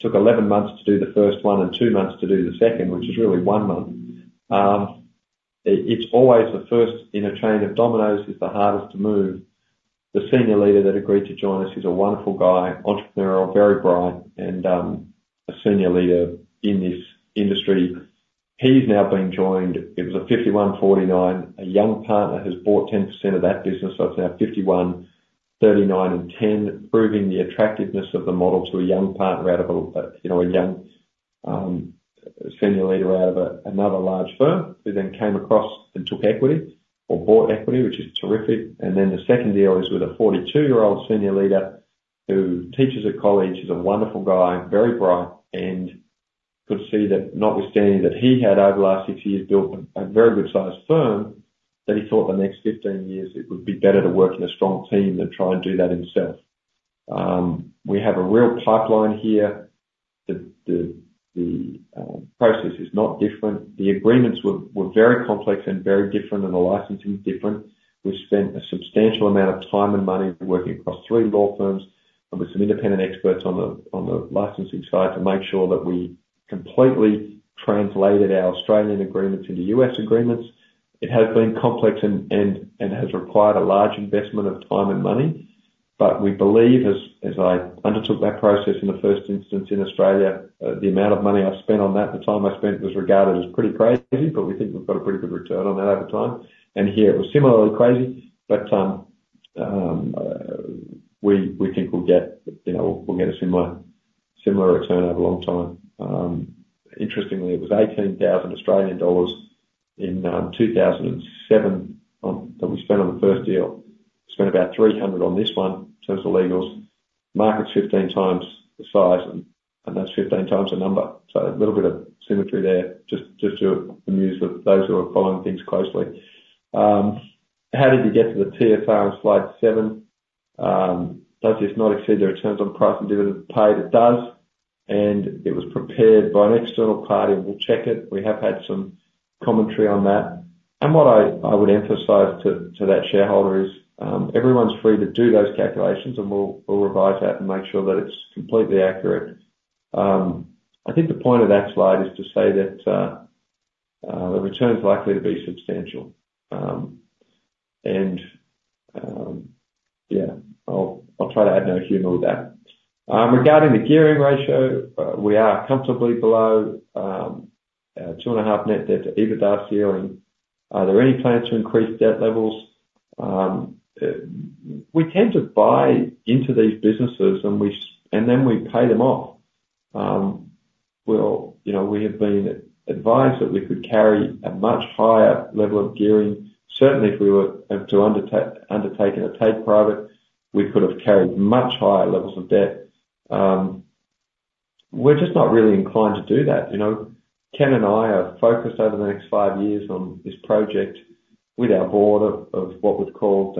Speaker 1: Took 11 months to do the first one and two months to do the second, which is really one month. It's always the first in a chain of dominoes is the hardest to move. The senior leader that agreed to join us is a wonderful guy, entrepreneurial, very bright, and a senior leader in this industry. He's now been joined. It was a 51, 49. A young partner has bought 10% of that business, so it's now 51, 39 and 10, proving the attractiveness of the model to a young partner out of a, you know, a young, senior leader out of another large firm, who then came across and took equity or bought equity, which is terrific. And then the second deal is with a 42-year-old senior leader, who teaches at college. He's a wonderful guy, very bright, and could see that notwithstanding that he had, over the last 6 years, built a very good sized firm, that he thought the next 15 years it would be better to work in a strong team than try and do that himself. We have a real pipeline here. The process is not different. The agreements were very complex and very different, and the licensing is different. We've spent a substantial amount of time and money working across three law firms and with some independent experts on the licensing side, to make sure that we completely translated our Australian agreements into U.S. agreements. It has been complex and has required a large investment of time and money, but we believe, as I undertook that process in the first instance in Australia, the amount of money I spent on that and the time I spent, was regarded as pretty crazy, but we think we've got a pretty good return on that over time. And here, it was similarly crazy, but we think we'll get, you know, we'll get a similar return over a long time. Interestingly, it was 18,000 Australian dollars in 2007 that we spent on the first deal. Spent about 300 on this one, in terms of legals. Market's 15x the size, and that's 15x the number. So a little bit of symmetry there, just to amuse those who are following things closely. How did you get to the TSR on slide seven? Does this not exceed the returns on price and dividends paid? It does, and it was prepared by an external party, and we'll check it. We have had some commentary on that. What I would emphasize to that shareholder is, everyone's free to do those calculations, and we'll revise that and make sure that it's completely accurate. I think the point of that slide is to say that the return's likely to be substantial. Yeah, I'll try to add no humor with that. Regarding the gearing ratio, we are comfortably below 2.5 net debt to EBITDA ceiling. Are there any plans to increase debt levels? We tend to buy into these businesses, and then we pay them off. Well, you know, we have been advised that we could carry a much higher level of gearing. Certainly, if we were to undertake a take private, we could have carried much higher levels of debt. We're just not really inclined to do that. You know, Ken and I are focused over the next five years on this project with our board of what was called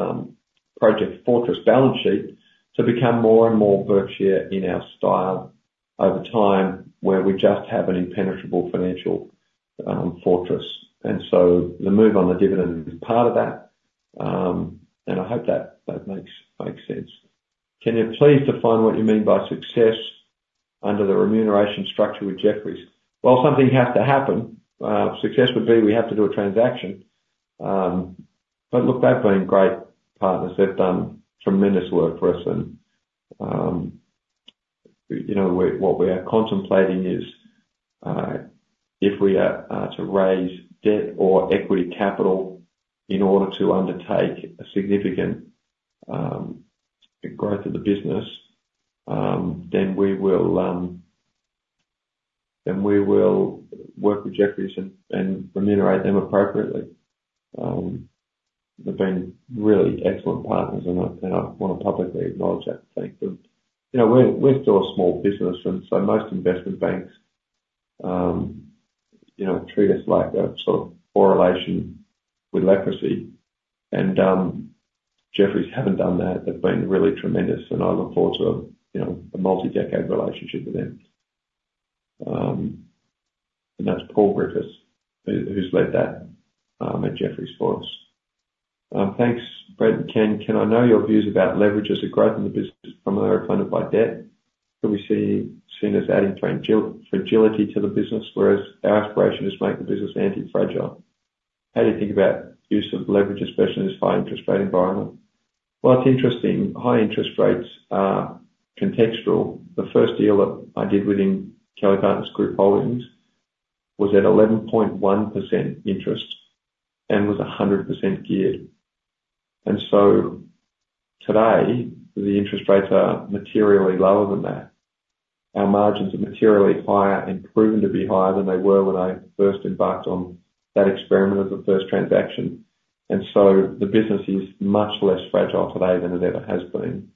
Speaker 1: Project Fortress Balance Sheet, to become more and more Berkshire in our style over time, where we just have an impenetrable financial fortress. And so the move on the dividend is part of that. And I hope that makes sense. Can you please define what you mean by success under the remuneration structure with Jefferies? Well, something has to happen. Success would be, we have to do a transaction. But look, they've been great partners. They've done tremendous work for us and, you know, what we are contemplating is, if we are, to raise debt or equity capital in order to undertake a significant, growth of the business, then we will, then we will work with Jefferies and, and remunerate them appropriately. They've been really excellent partners, and I wanna publicly acknowledge that thank them. You know, we're, we're still a small business, and so most investment banks, you know, treat us like a sort of correlation with leprosy. And, Jefferies haven't done that. They've been really tremendous, and I look forward to, you know, a multi-decade relationship with them. And that's Paul Griffiths, who's led that, at Jefferies for us. Thanks, Brenton. Ken: "Can I know your views about leverage as a growth in the business funded by debt? Could it be seen as adding fragility to the business, whereas our aspiration is to make the business anti-fragile. How do you think about use of leverage, especially in this high interest rate environment?" Well, it's interesting. High interest rates are contextual. The first deal that I did within Kelly Partners Group Holdings was at 11.1% interest and was 100% geared. And so today, the interest rates are materially lower than that. Our margins are materially higher and proven to be higher than they were when I first embarked on that experiment of the first transaction. And so the business is much less fragile today than it ever has been.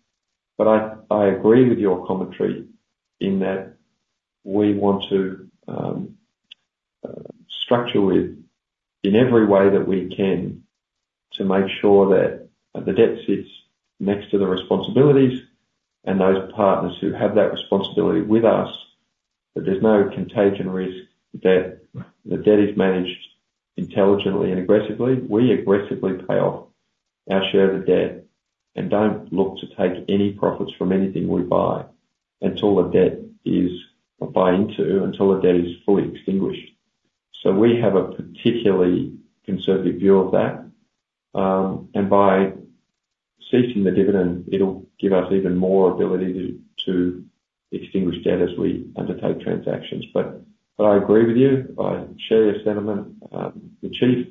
Speaker 1: But I agree with your commentary in that we want to structure with, in every way that we can, to make sure that the debt sits next to the responsibilities and those partners who have that responsibility with us, that there's no contagion risk, that the debt is managed intelligently and aggressively. We aggressively pay off our share of the debt and don't look to take any profits from anything we buy until the debt is, or buy into, until the debt is fully extinguished. So we have a particularly conservative view of that, and by ceasing the dividend, it'll give us even more ability to extinguish debt as we undertake transactions. But I agree with you. I share your sentiment. The Chief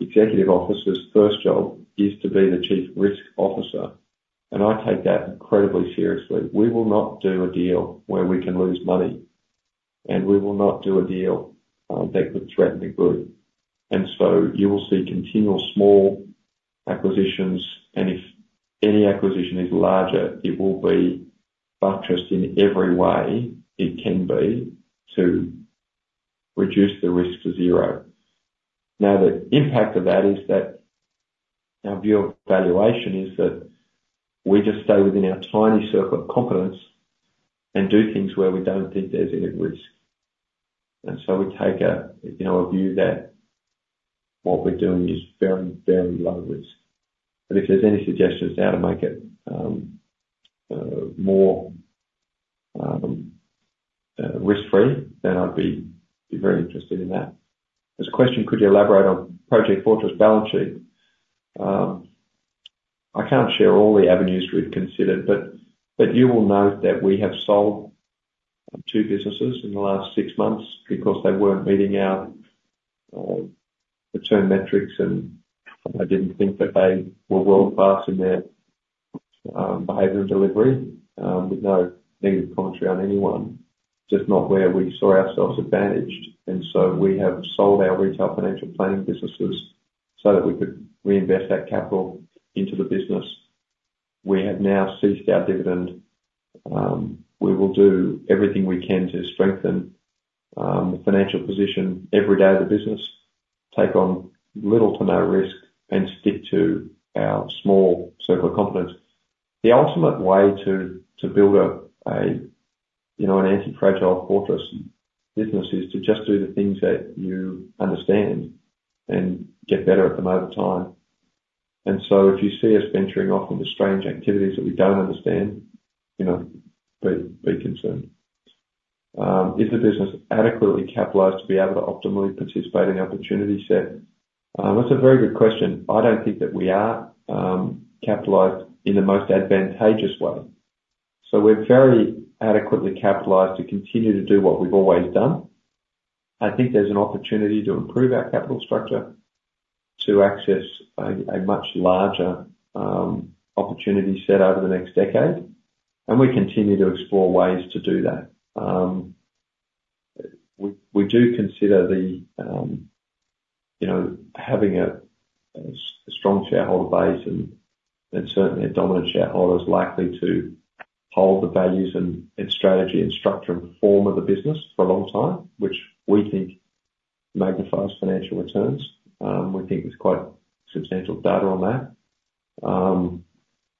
Speaker 1: Executive Officer's first job is to be the Chief Risk Officer, and I take that incredibly seriously. We will not do a deal where we can lose money, and we will not do a deal that could threaten the group. And so you will see continual small acquisitions, and if any acquisition is larger, it will be buttressed in every way it can be to reduce the risk to zero. Now, the impact of that is that our view of valuation is that we just stay within our tiny circle of competence and do things where we don't think there's any risk. And so we take a, you know, a view that what we're doing is very, very low risk. But if there's any suggestions how to make it more risk-free, then I'd be very interested in that. There's a question: "Could you elaborate on Project Fortress balance sheet?" I can't share all the avenues we've considered, but you will note that we have sold two businesses in the last six months because they weren't meeting our return metrics, and I didn't think that they were world-class in their behavior and delivery, with no negative commentary on anyone, just not where we saw ourselves advantaged. And so we have sold our retail financial planning businesses so that we could reinvest that capital into the business. We have now ceased our dividend. We will do everything we can to strengthen the financial position every day of the business, take on little to no risk, and stick to our small circle of competence. The ultimate way to build a you know an anti-fragile fortress business is to just do the things that you understand and get better at them over time. And so if you see us venturing off into strange activities that we don't understand, you know, be concerned. "Is the business adequately capitalized to be able to optimally participate in the opportunity set?" That's a very good question. I don't think that we are capitalized in the most advantageous way. So we're very adequately capitalized to continue to do what we've always done. I think there's an opportunity to improve our capital structure to access a much larger opportunity set over the next decade, and we continue to explore ways to do that. We do consider the, you know, having a strong shareholder base and certainly a dominant shareholder is likely to hold the values and strategy and structure and form of the business for a long time, which we think magnifies financial returns. We think there's quite substantial data on that.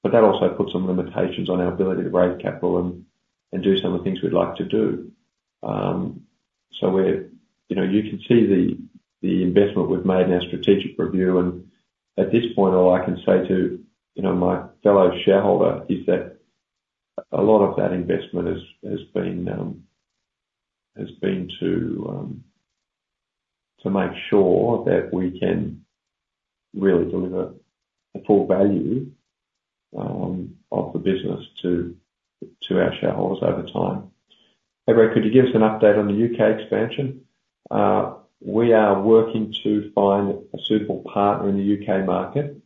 Speaker 1: But that also puts some limitations on our ability to raise capital and do some of the things we'd like to do. So we're, you know, you can see the investment we've made in our strategic review, and at this point, all I can say to, you know, my fellow shareholder is that a lot of that investment has been to make sure that we can really deliver the full value of the business to our shareholders over time. Hey, Brett, could you give us an update on the UK expansion? We are working to find a suitable partner in the UK market,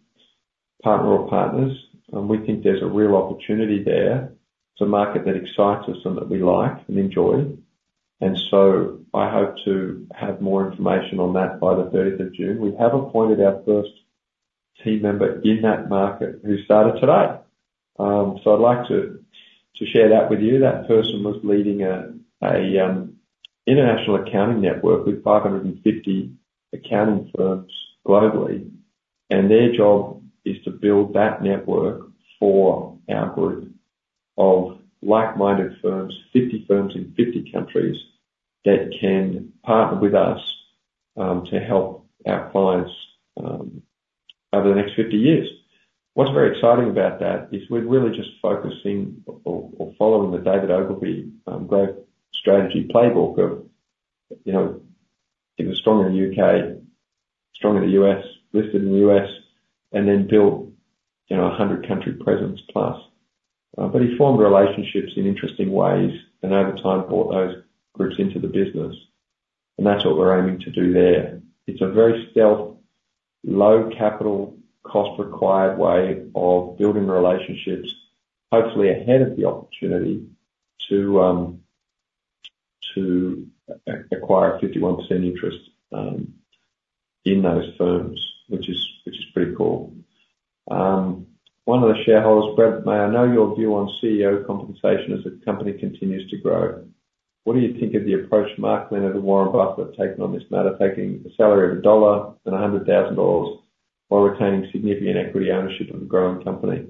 Speaker 1: partner or partners, and we think there's a real opportunity there. It's a market that excites us and that we like and enjoy. And so I hope to have more information on that by the thirtieth of June. We have appointed our first team member in that market who started today. So I'd like to share that with you. That person was leading an international accounting network with 550 accounting firms globally, and their job is to build that network for our group of like-minded firms, 50 firms in 50 countries, that can partner with us, to help our clients over the next 50 years. What's very exciting about that is we're really just focusing or following the David Ogilvy growth strategy playbook of, you know, he was strong in the U.K., strong in the U.S., listed in the U.S., and then built, you know, a 100-country presence plus. But he formed relationships in interesting ways, and over time, brought those groups into the business, and that's what we're aiming to do there. It's a very stealth, low capital, cost-required way of building relationships, hopefully ahead of the opportunity to acquire a 51% interest in those firms, which is pretty cool. One of the shareholders, "Brett, may I know your view on CEO compensation as the company continues to grow? What do you think of the approach Mark Leonard and Warren Buffett have taken on this matter, taking a salary of $1 and $100,000 while retaining significant equity ownership of a growing company?"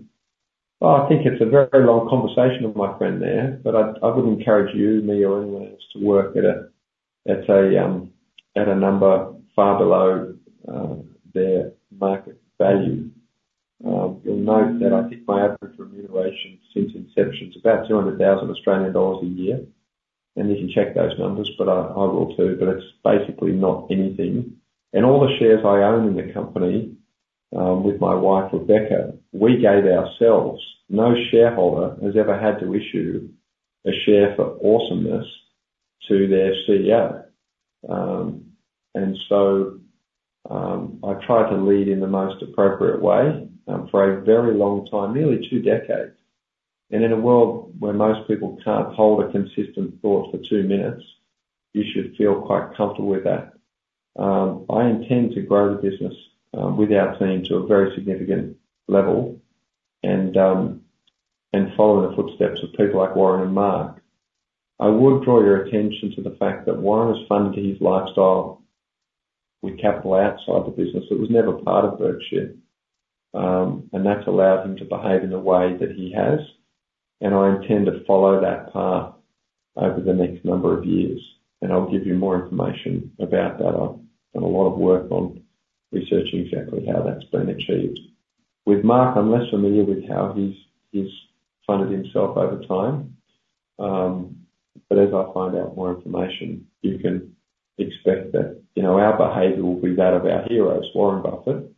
Speaker 1: I think it's a very long conversation with my friend there, but I wouldn't encourage you, me, or anyone else to work at a number far below their market value. You'll note that I think my average remuneration since inception is about 200,000 Australian dollars a year, and you can check those numbers, but I will too, but it's basically not anything. And all the shares I own in the company, with my wife, Rebecca, we gave ourselves. No shareholder has ever had to issue a share for awesomeness to their CEO. I try to lead in the most appropriate way for a very long time, nearly two decades. And in a world where most people can't hold a consistent thought for two minutes, you should feel quite comfortable with that. I intend to grow the business with our team to a very significant level and follow in the footsteps of people like Warren and Mark. I would draw your attention to the fact that Warren is funding his lifestyle with capital outside the business. It was never part of Berkshire, and that's allowed him to behave in the way that he has, and I intend to follow that path over the next number of years, and I'll give you more information about that. I've done a lot of work on researching exactly how that's been achieved. With Mark, I'm less familiar with how he's funded himself over time, but as I find out more information, you can expect that, you know, our behavior will be that of our heroes, Warren Buffett,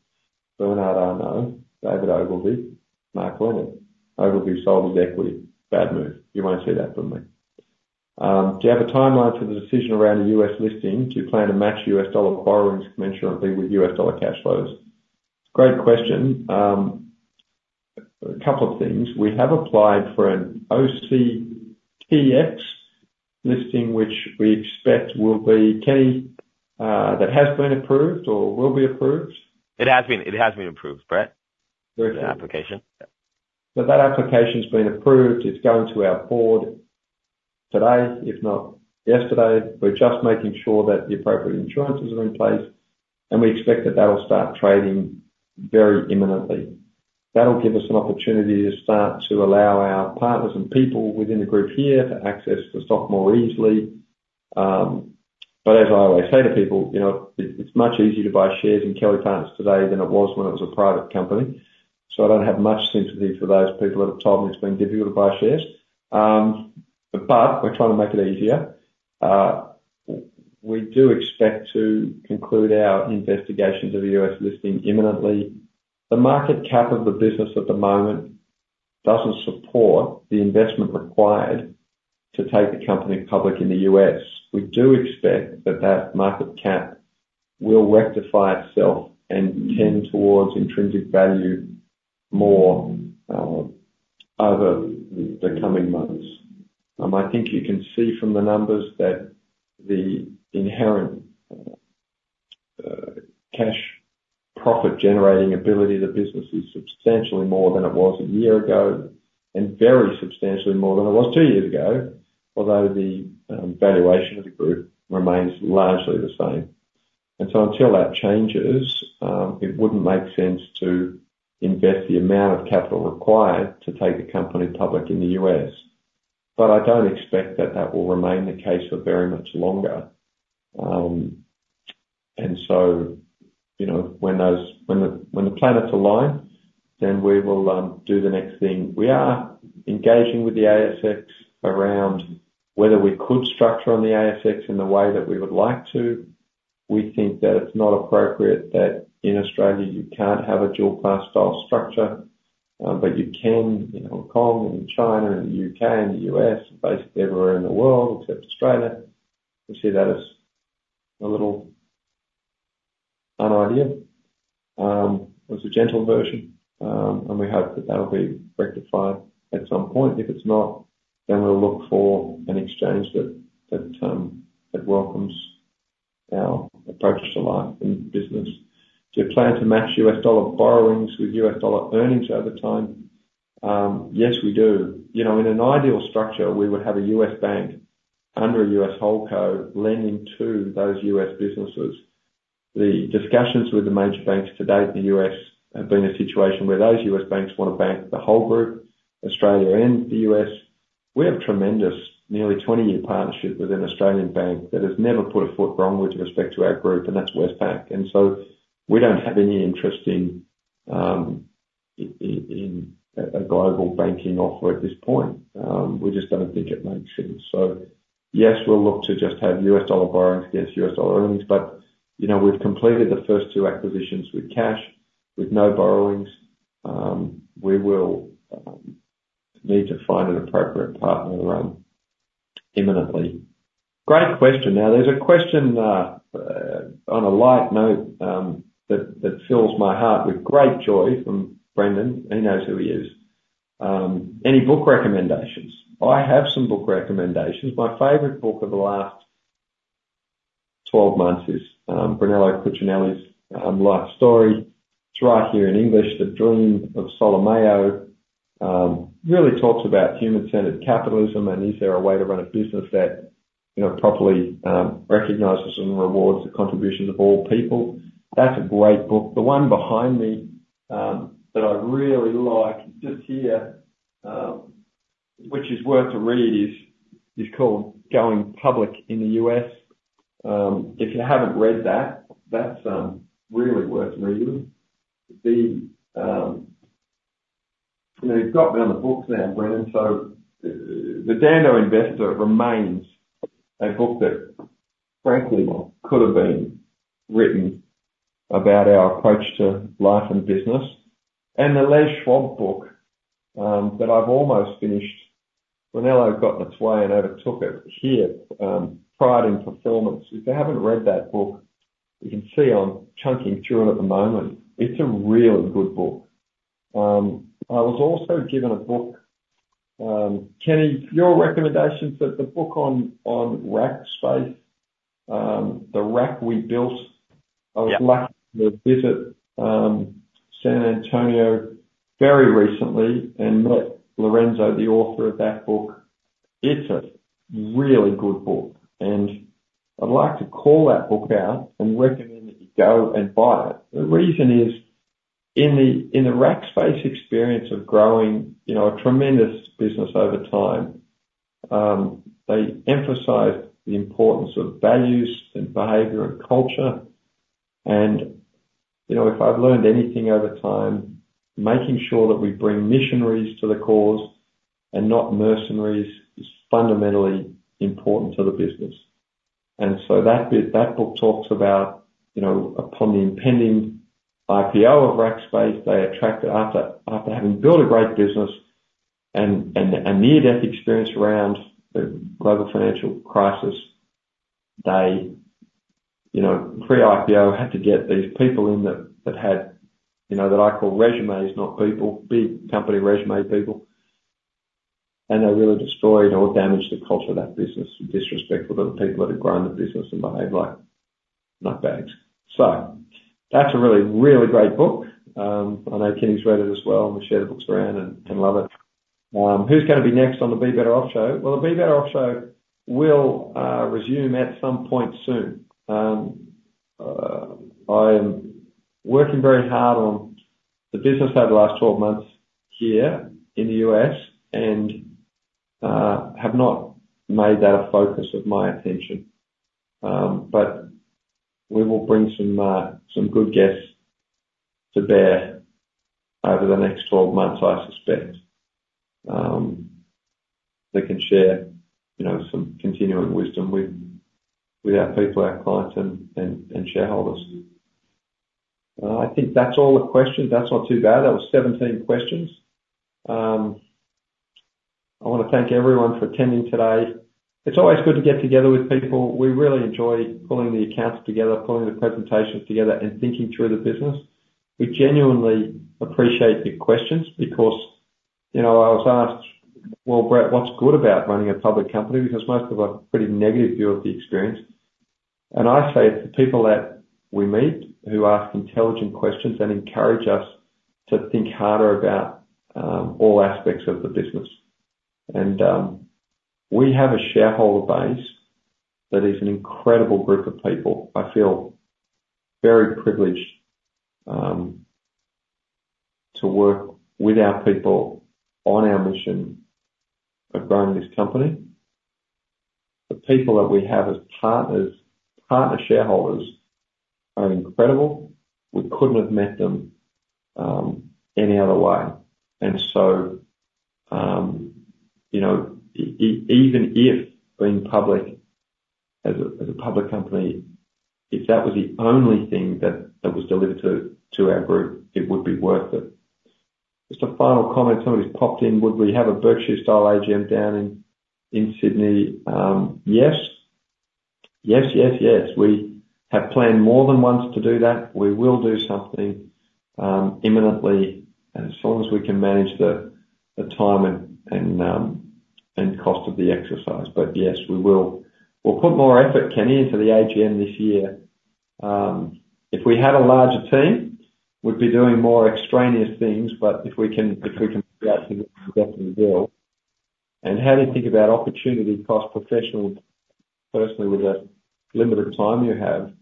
Speaker 1: Bernard Arnault, David Ogilvy, Mark Leonard. Ogilvy sold his equity. Bad move. You won't see that from me. "Do you have a timeline for the decision around a U.S. listing? Do you plan to match U.S. dollar borrowings mentioned with U.S. dollar cash flows?" Great question. A couple of things. We have applied for an OTCQX listing, which we expect will be Kelly, that has been approved or will be approved?
Speaker 2: It has been approved, Brett, the application.
Speaker 1: So that application's been approved. It's going to our board today, if not yesterday. We're just making sure that the appropriate insurances are in place, and we expect that that will start trading very imminently. That'll give us an opportunity to start to allow our partners and people within the group here to access the stock more easily. But as I always say to people, you know, it's much easier to buy shares in Kelly Partners today than it was when it was a private company. So I don't have much sympathy for those people that have told me it's been difficult to buy shares. But we're trying to make it easier. We do expect to conclude our investigations of the U.S. listing imminently. The market cap of the business at the moment doesn't support the investment required to take the company public in the U.S. We do expect that that market cap will rectify itself and tend towards intrinsic value more over the coming months. I think you can see from the numbers that the inherent cash profit-generating ability of the business is substantially more than it was a year ago, and very substantially more than it was two years ago, although the valuation of the group remains largely the same. And so until that changes, it wouldn't make sense to invest the amount of capital required to take the company public in the U.S. But I don't expect that that will remain the case for very much longer. And so, you know, when the planets align, then we will do the next thing. We are engaging with the ASX around whether we could structure on the ASX in the way that we would like to. We think that it's not appropriate that in Australia, you can't have a dual class structure, but you can in Hong Kong, and in China and the U.K. and the U.S., basically everywhere in the world except Australia. We see that as a little unideal, as a gentle version, and we hope that that'll be rectified at some point. If it's not, then we'll look for an exchange that welcomes our approach to life and business. Do you plan to match U.S. dollar borrowings with U.S. dollar earnings over time? Yes, we do. You know, in an ideal structure, we would have a U.S. bank under a U.S. Holdco lending to those U.S. businesses. The discussions with the major banks to date in the U.S. have been a situation where those U.S. banks want to bank the whole group, Australia and the U.S. We have tremendous, nearly 20-year partnership with an Australian bank that has never put a foot wrong with respect to our group, and that's Westpac. And so we don't have any interest in a global banking offer at this point. We just don't think it makes sense. So yes, we'll look to just have U.S. dollar borrowings against U.S. dollar earnings, but, you know, we've completed the first two acquisitions with cash, with no borrowings. We will need to find an appropriate partner imminently. Great question. Now, there's a question on a light note that fills my heart with great joy from Brendan. He knows who he is. Any book recommendations? I have some book recommendations. My favorite book of the last 12 months is Brunello Cucinelli's life story. It's right here in English, The Dream of Solomeo. Really talks about human-centered capitalism and is there a way to run a business that, you know, properly recognizes and rewards the contributions of all people? That's a great book. The one behind me that I really like, just here, which is worth a read, is called Going Public in the US. If you haven't read that, that's really worth reading. The... You know, you've got me on the books now, Brendan. So The Dhandho Investor remains a book that, frankly, could have been written about our approach to life and business. And the Les Schwab book that I've almost finished. Brunello got in its way and overtook it here, Pride in Performance. If you haven't read that book, you can see I'm chunking through it at the moment. It's a really good book. I was also given a book, Kenny, your recommendations that the book on Rackspace, The Rack We Built.
Speaker 2: Yeah.
Speaker 1: I was lucky to visit San Antonio very recently and met Lorenzo, the author of that book. It's a really good book, and I'd like to call that book out and recommend that you go and buy it. The reason is, in the Rackspace experience of growing, you know, a tremendous business over time, they emphasize the importance of values and behavior and culture. And, you know, if I've learned anything over time, making sure that we bring missionaries to the cause and not mercenaries is fundamentally important to the business. And so that bit, that book talks about, you know, upon the impending IPO of Rackspace, they attracted after having built a great business and a near-death experience around the global financial crisis, they, you know, pre-IPO, had to get these people in that had, you know, that I call resumes, not people, big company resume people. And they really destroyed or damaged the culture of that business, and disrespectful to the people that had grown the business and behaved like nutbags. So that's a really, really great book. I know Kenny's read it as well. We share the books around and love it. Who's gonna be next on the Be Better Off Show? Well, the Be Better Off Show will resume at some point soon. I'm working very hard on the business over the last 12 months here in the U.S., and have not made that a focus of my attention. But we will bring some good guests to bear over the next 12 months, I suspect. They can share, you know, some continuing wisdom with our people, our clients, and shareholders. I think that's all the questions. That's not too bad. That was 17 questions. I wanna thank everyone for attending today. It's always good to get together with people. We really enjoy pulling the accounts together, pulling the presentations together, and thinking through the business. We genuinely appreciate your questions because, you know, I was asked, "Well, Brett, what's good about running a public company?" Because most have a pretty negative view of the experience. I say, it's the people that we meet who ask intelligent questions and encourage us to think harder about all aspects of the business. And we have a shareholder base that is an incredible group of people. I feel very privileged to work with our people on our mission of growing this company. The people that we have as partners, partner shareholders, are incredible. We couldn't have met them any other way. And so, you know, even if being public as a public company, if that was the only thing that was delivered to our group, it would be worth it. Just a final comment. Somebody's popped in: Would we have a Berkshire-style AGM down in Sydney? Yes. We have planned more than once to do that. We will do something imminently and as long as we can manage the time and cost of the exercise. But yes, we will. We'll put more effort, Kenny, into the AGM this year. If we had a larger team, we'd be doing more extraneous things, but if we can, we can definitely do. And how do you think about opportunity cost professional, personally, with the limited time you have?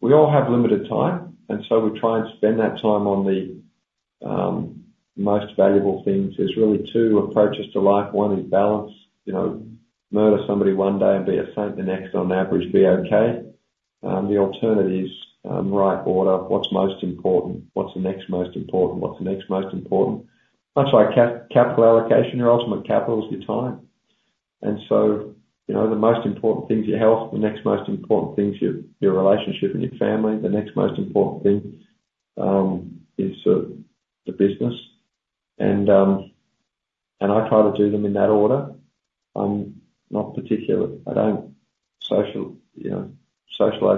Speaker 1: We all have limited time, and so we try and spend that time on the most valuable things. There's really two approaches to life. One is balance. You know, murder somebody one day and be a saint the next, on average, be okay. The alternative is right order. What's most important? What's the next most important? What's the next most important? Much like capital allocation, your ultimate capital is your time. And so, you know, the most important thing is your health. The next most important thing is your relationship and your family. The next most important thing is the business. And I try to do them in that order. I don't socialize, you know,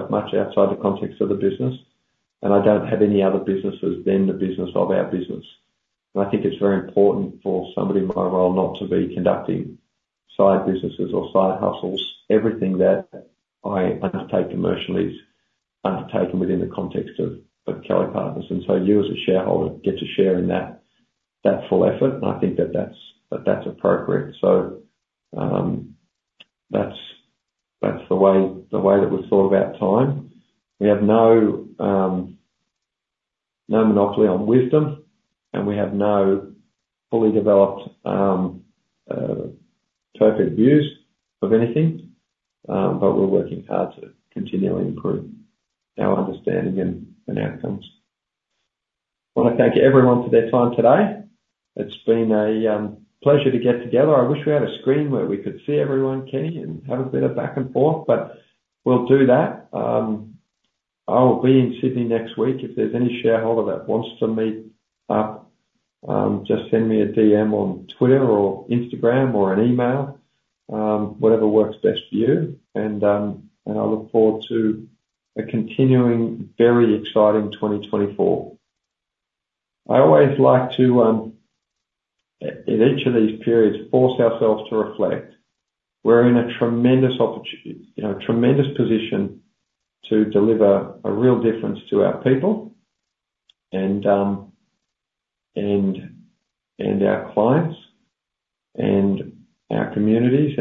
Speaker 1: much outside the context of the business, and I don't have any other businesses than the business of our business. And I think it's very important for somebody in my role not to be conducting side businesses or side hustles. Everything that I undertake commercially is undertaken within the context of Kelly Partners, and so you, as a shareholder, get to share in that full effort, and I think that that's appropriate. That's the way that we thought about time. We have no monopoly on wisdom, and we have no fully developed perfect views of anything, but we're working hard to continually improve our understanding and outcomes. I wanna thank everyone for their time today. It's been a pleasure to get together. I wish we had a screen where we could see everyone, Kenny, and have a bit of back and forth, but we'll do that. I will be in Sydney next week. If there's any shareholder that wants to meet up, just send me a DM on Twitter or Instagram or an email, whatever works best for you. I look forward to a continuing, very exciting 2024. I always like to, at each of these periods, force ourselves to reflect. We're in a tremendous, you know, tremendous position to deliver a real difference to our people and our clients and our communities.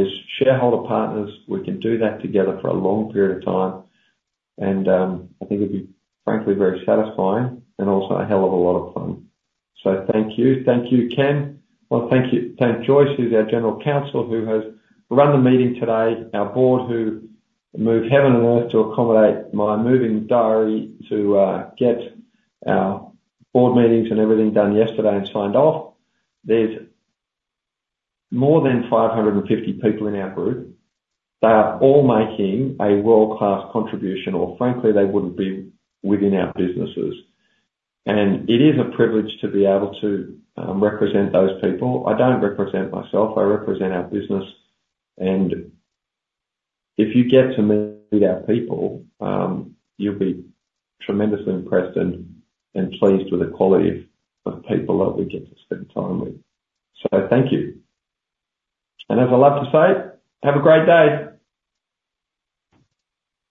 Speaker 1: As shareholder partners, we can do that together for a long period of time. I think it'd be, frankly, very satisfying and also a hell of a lot of fun. So thank you. Thank you, Ken. I want to thank you, thank Joyce, who's our General Counsel, who has run the meeting today, our board, who moved heaven and earth to accommodate my moving diary to get our board meetings and everything done yesterday and signed off. There's more than 550 people in our group. They are all making a world-class contribution, or frankly, they wouldn't be within our businesses. It is a privilege to be able to represent those people. I don't represent myself, I represent our business. And if you get to meet our people, you'll be tremendously impressed and pleased with the quality of the people that we get to spend time with. So thank you. And as I love to say, have a great day!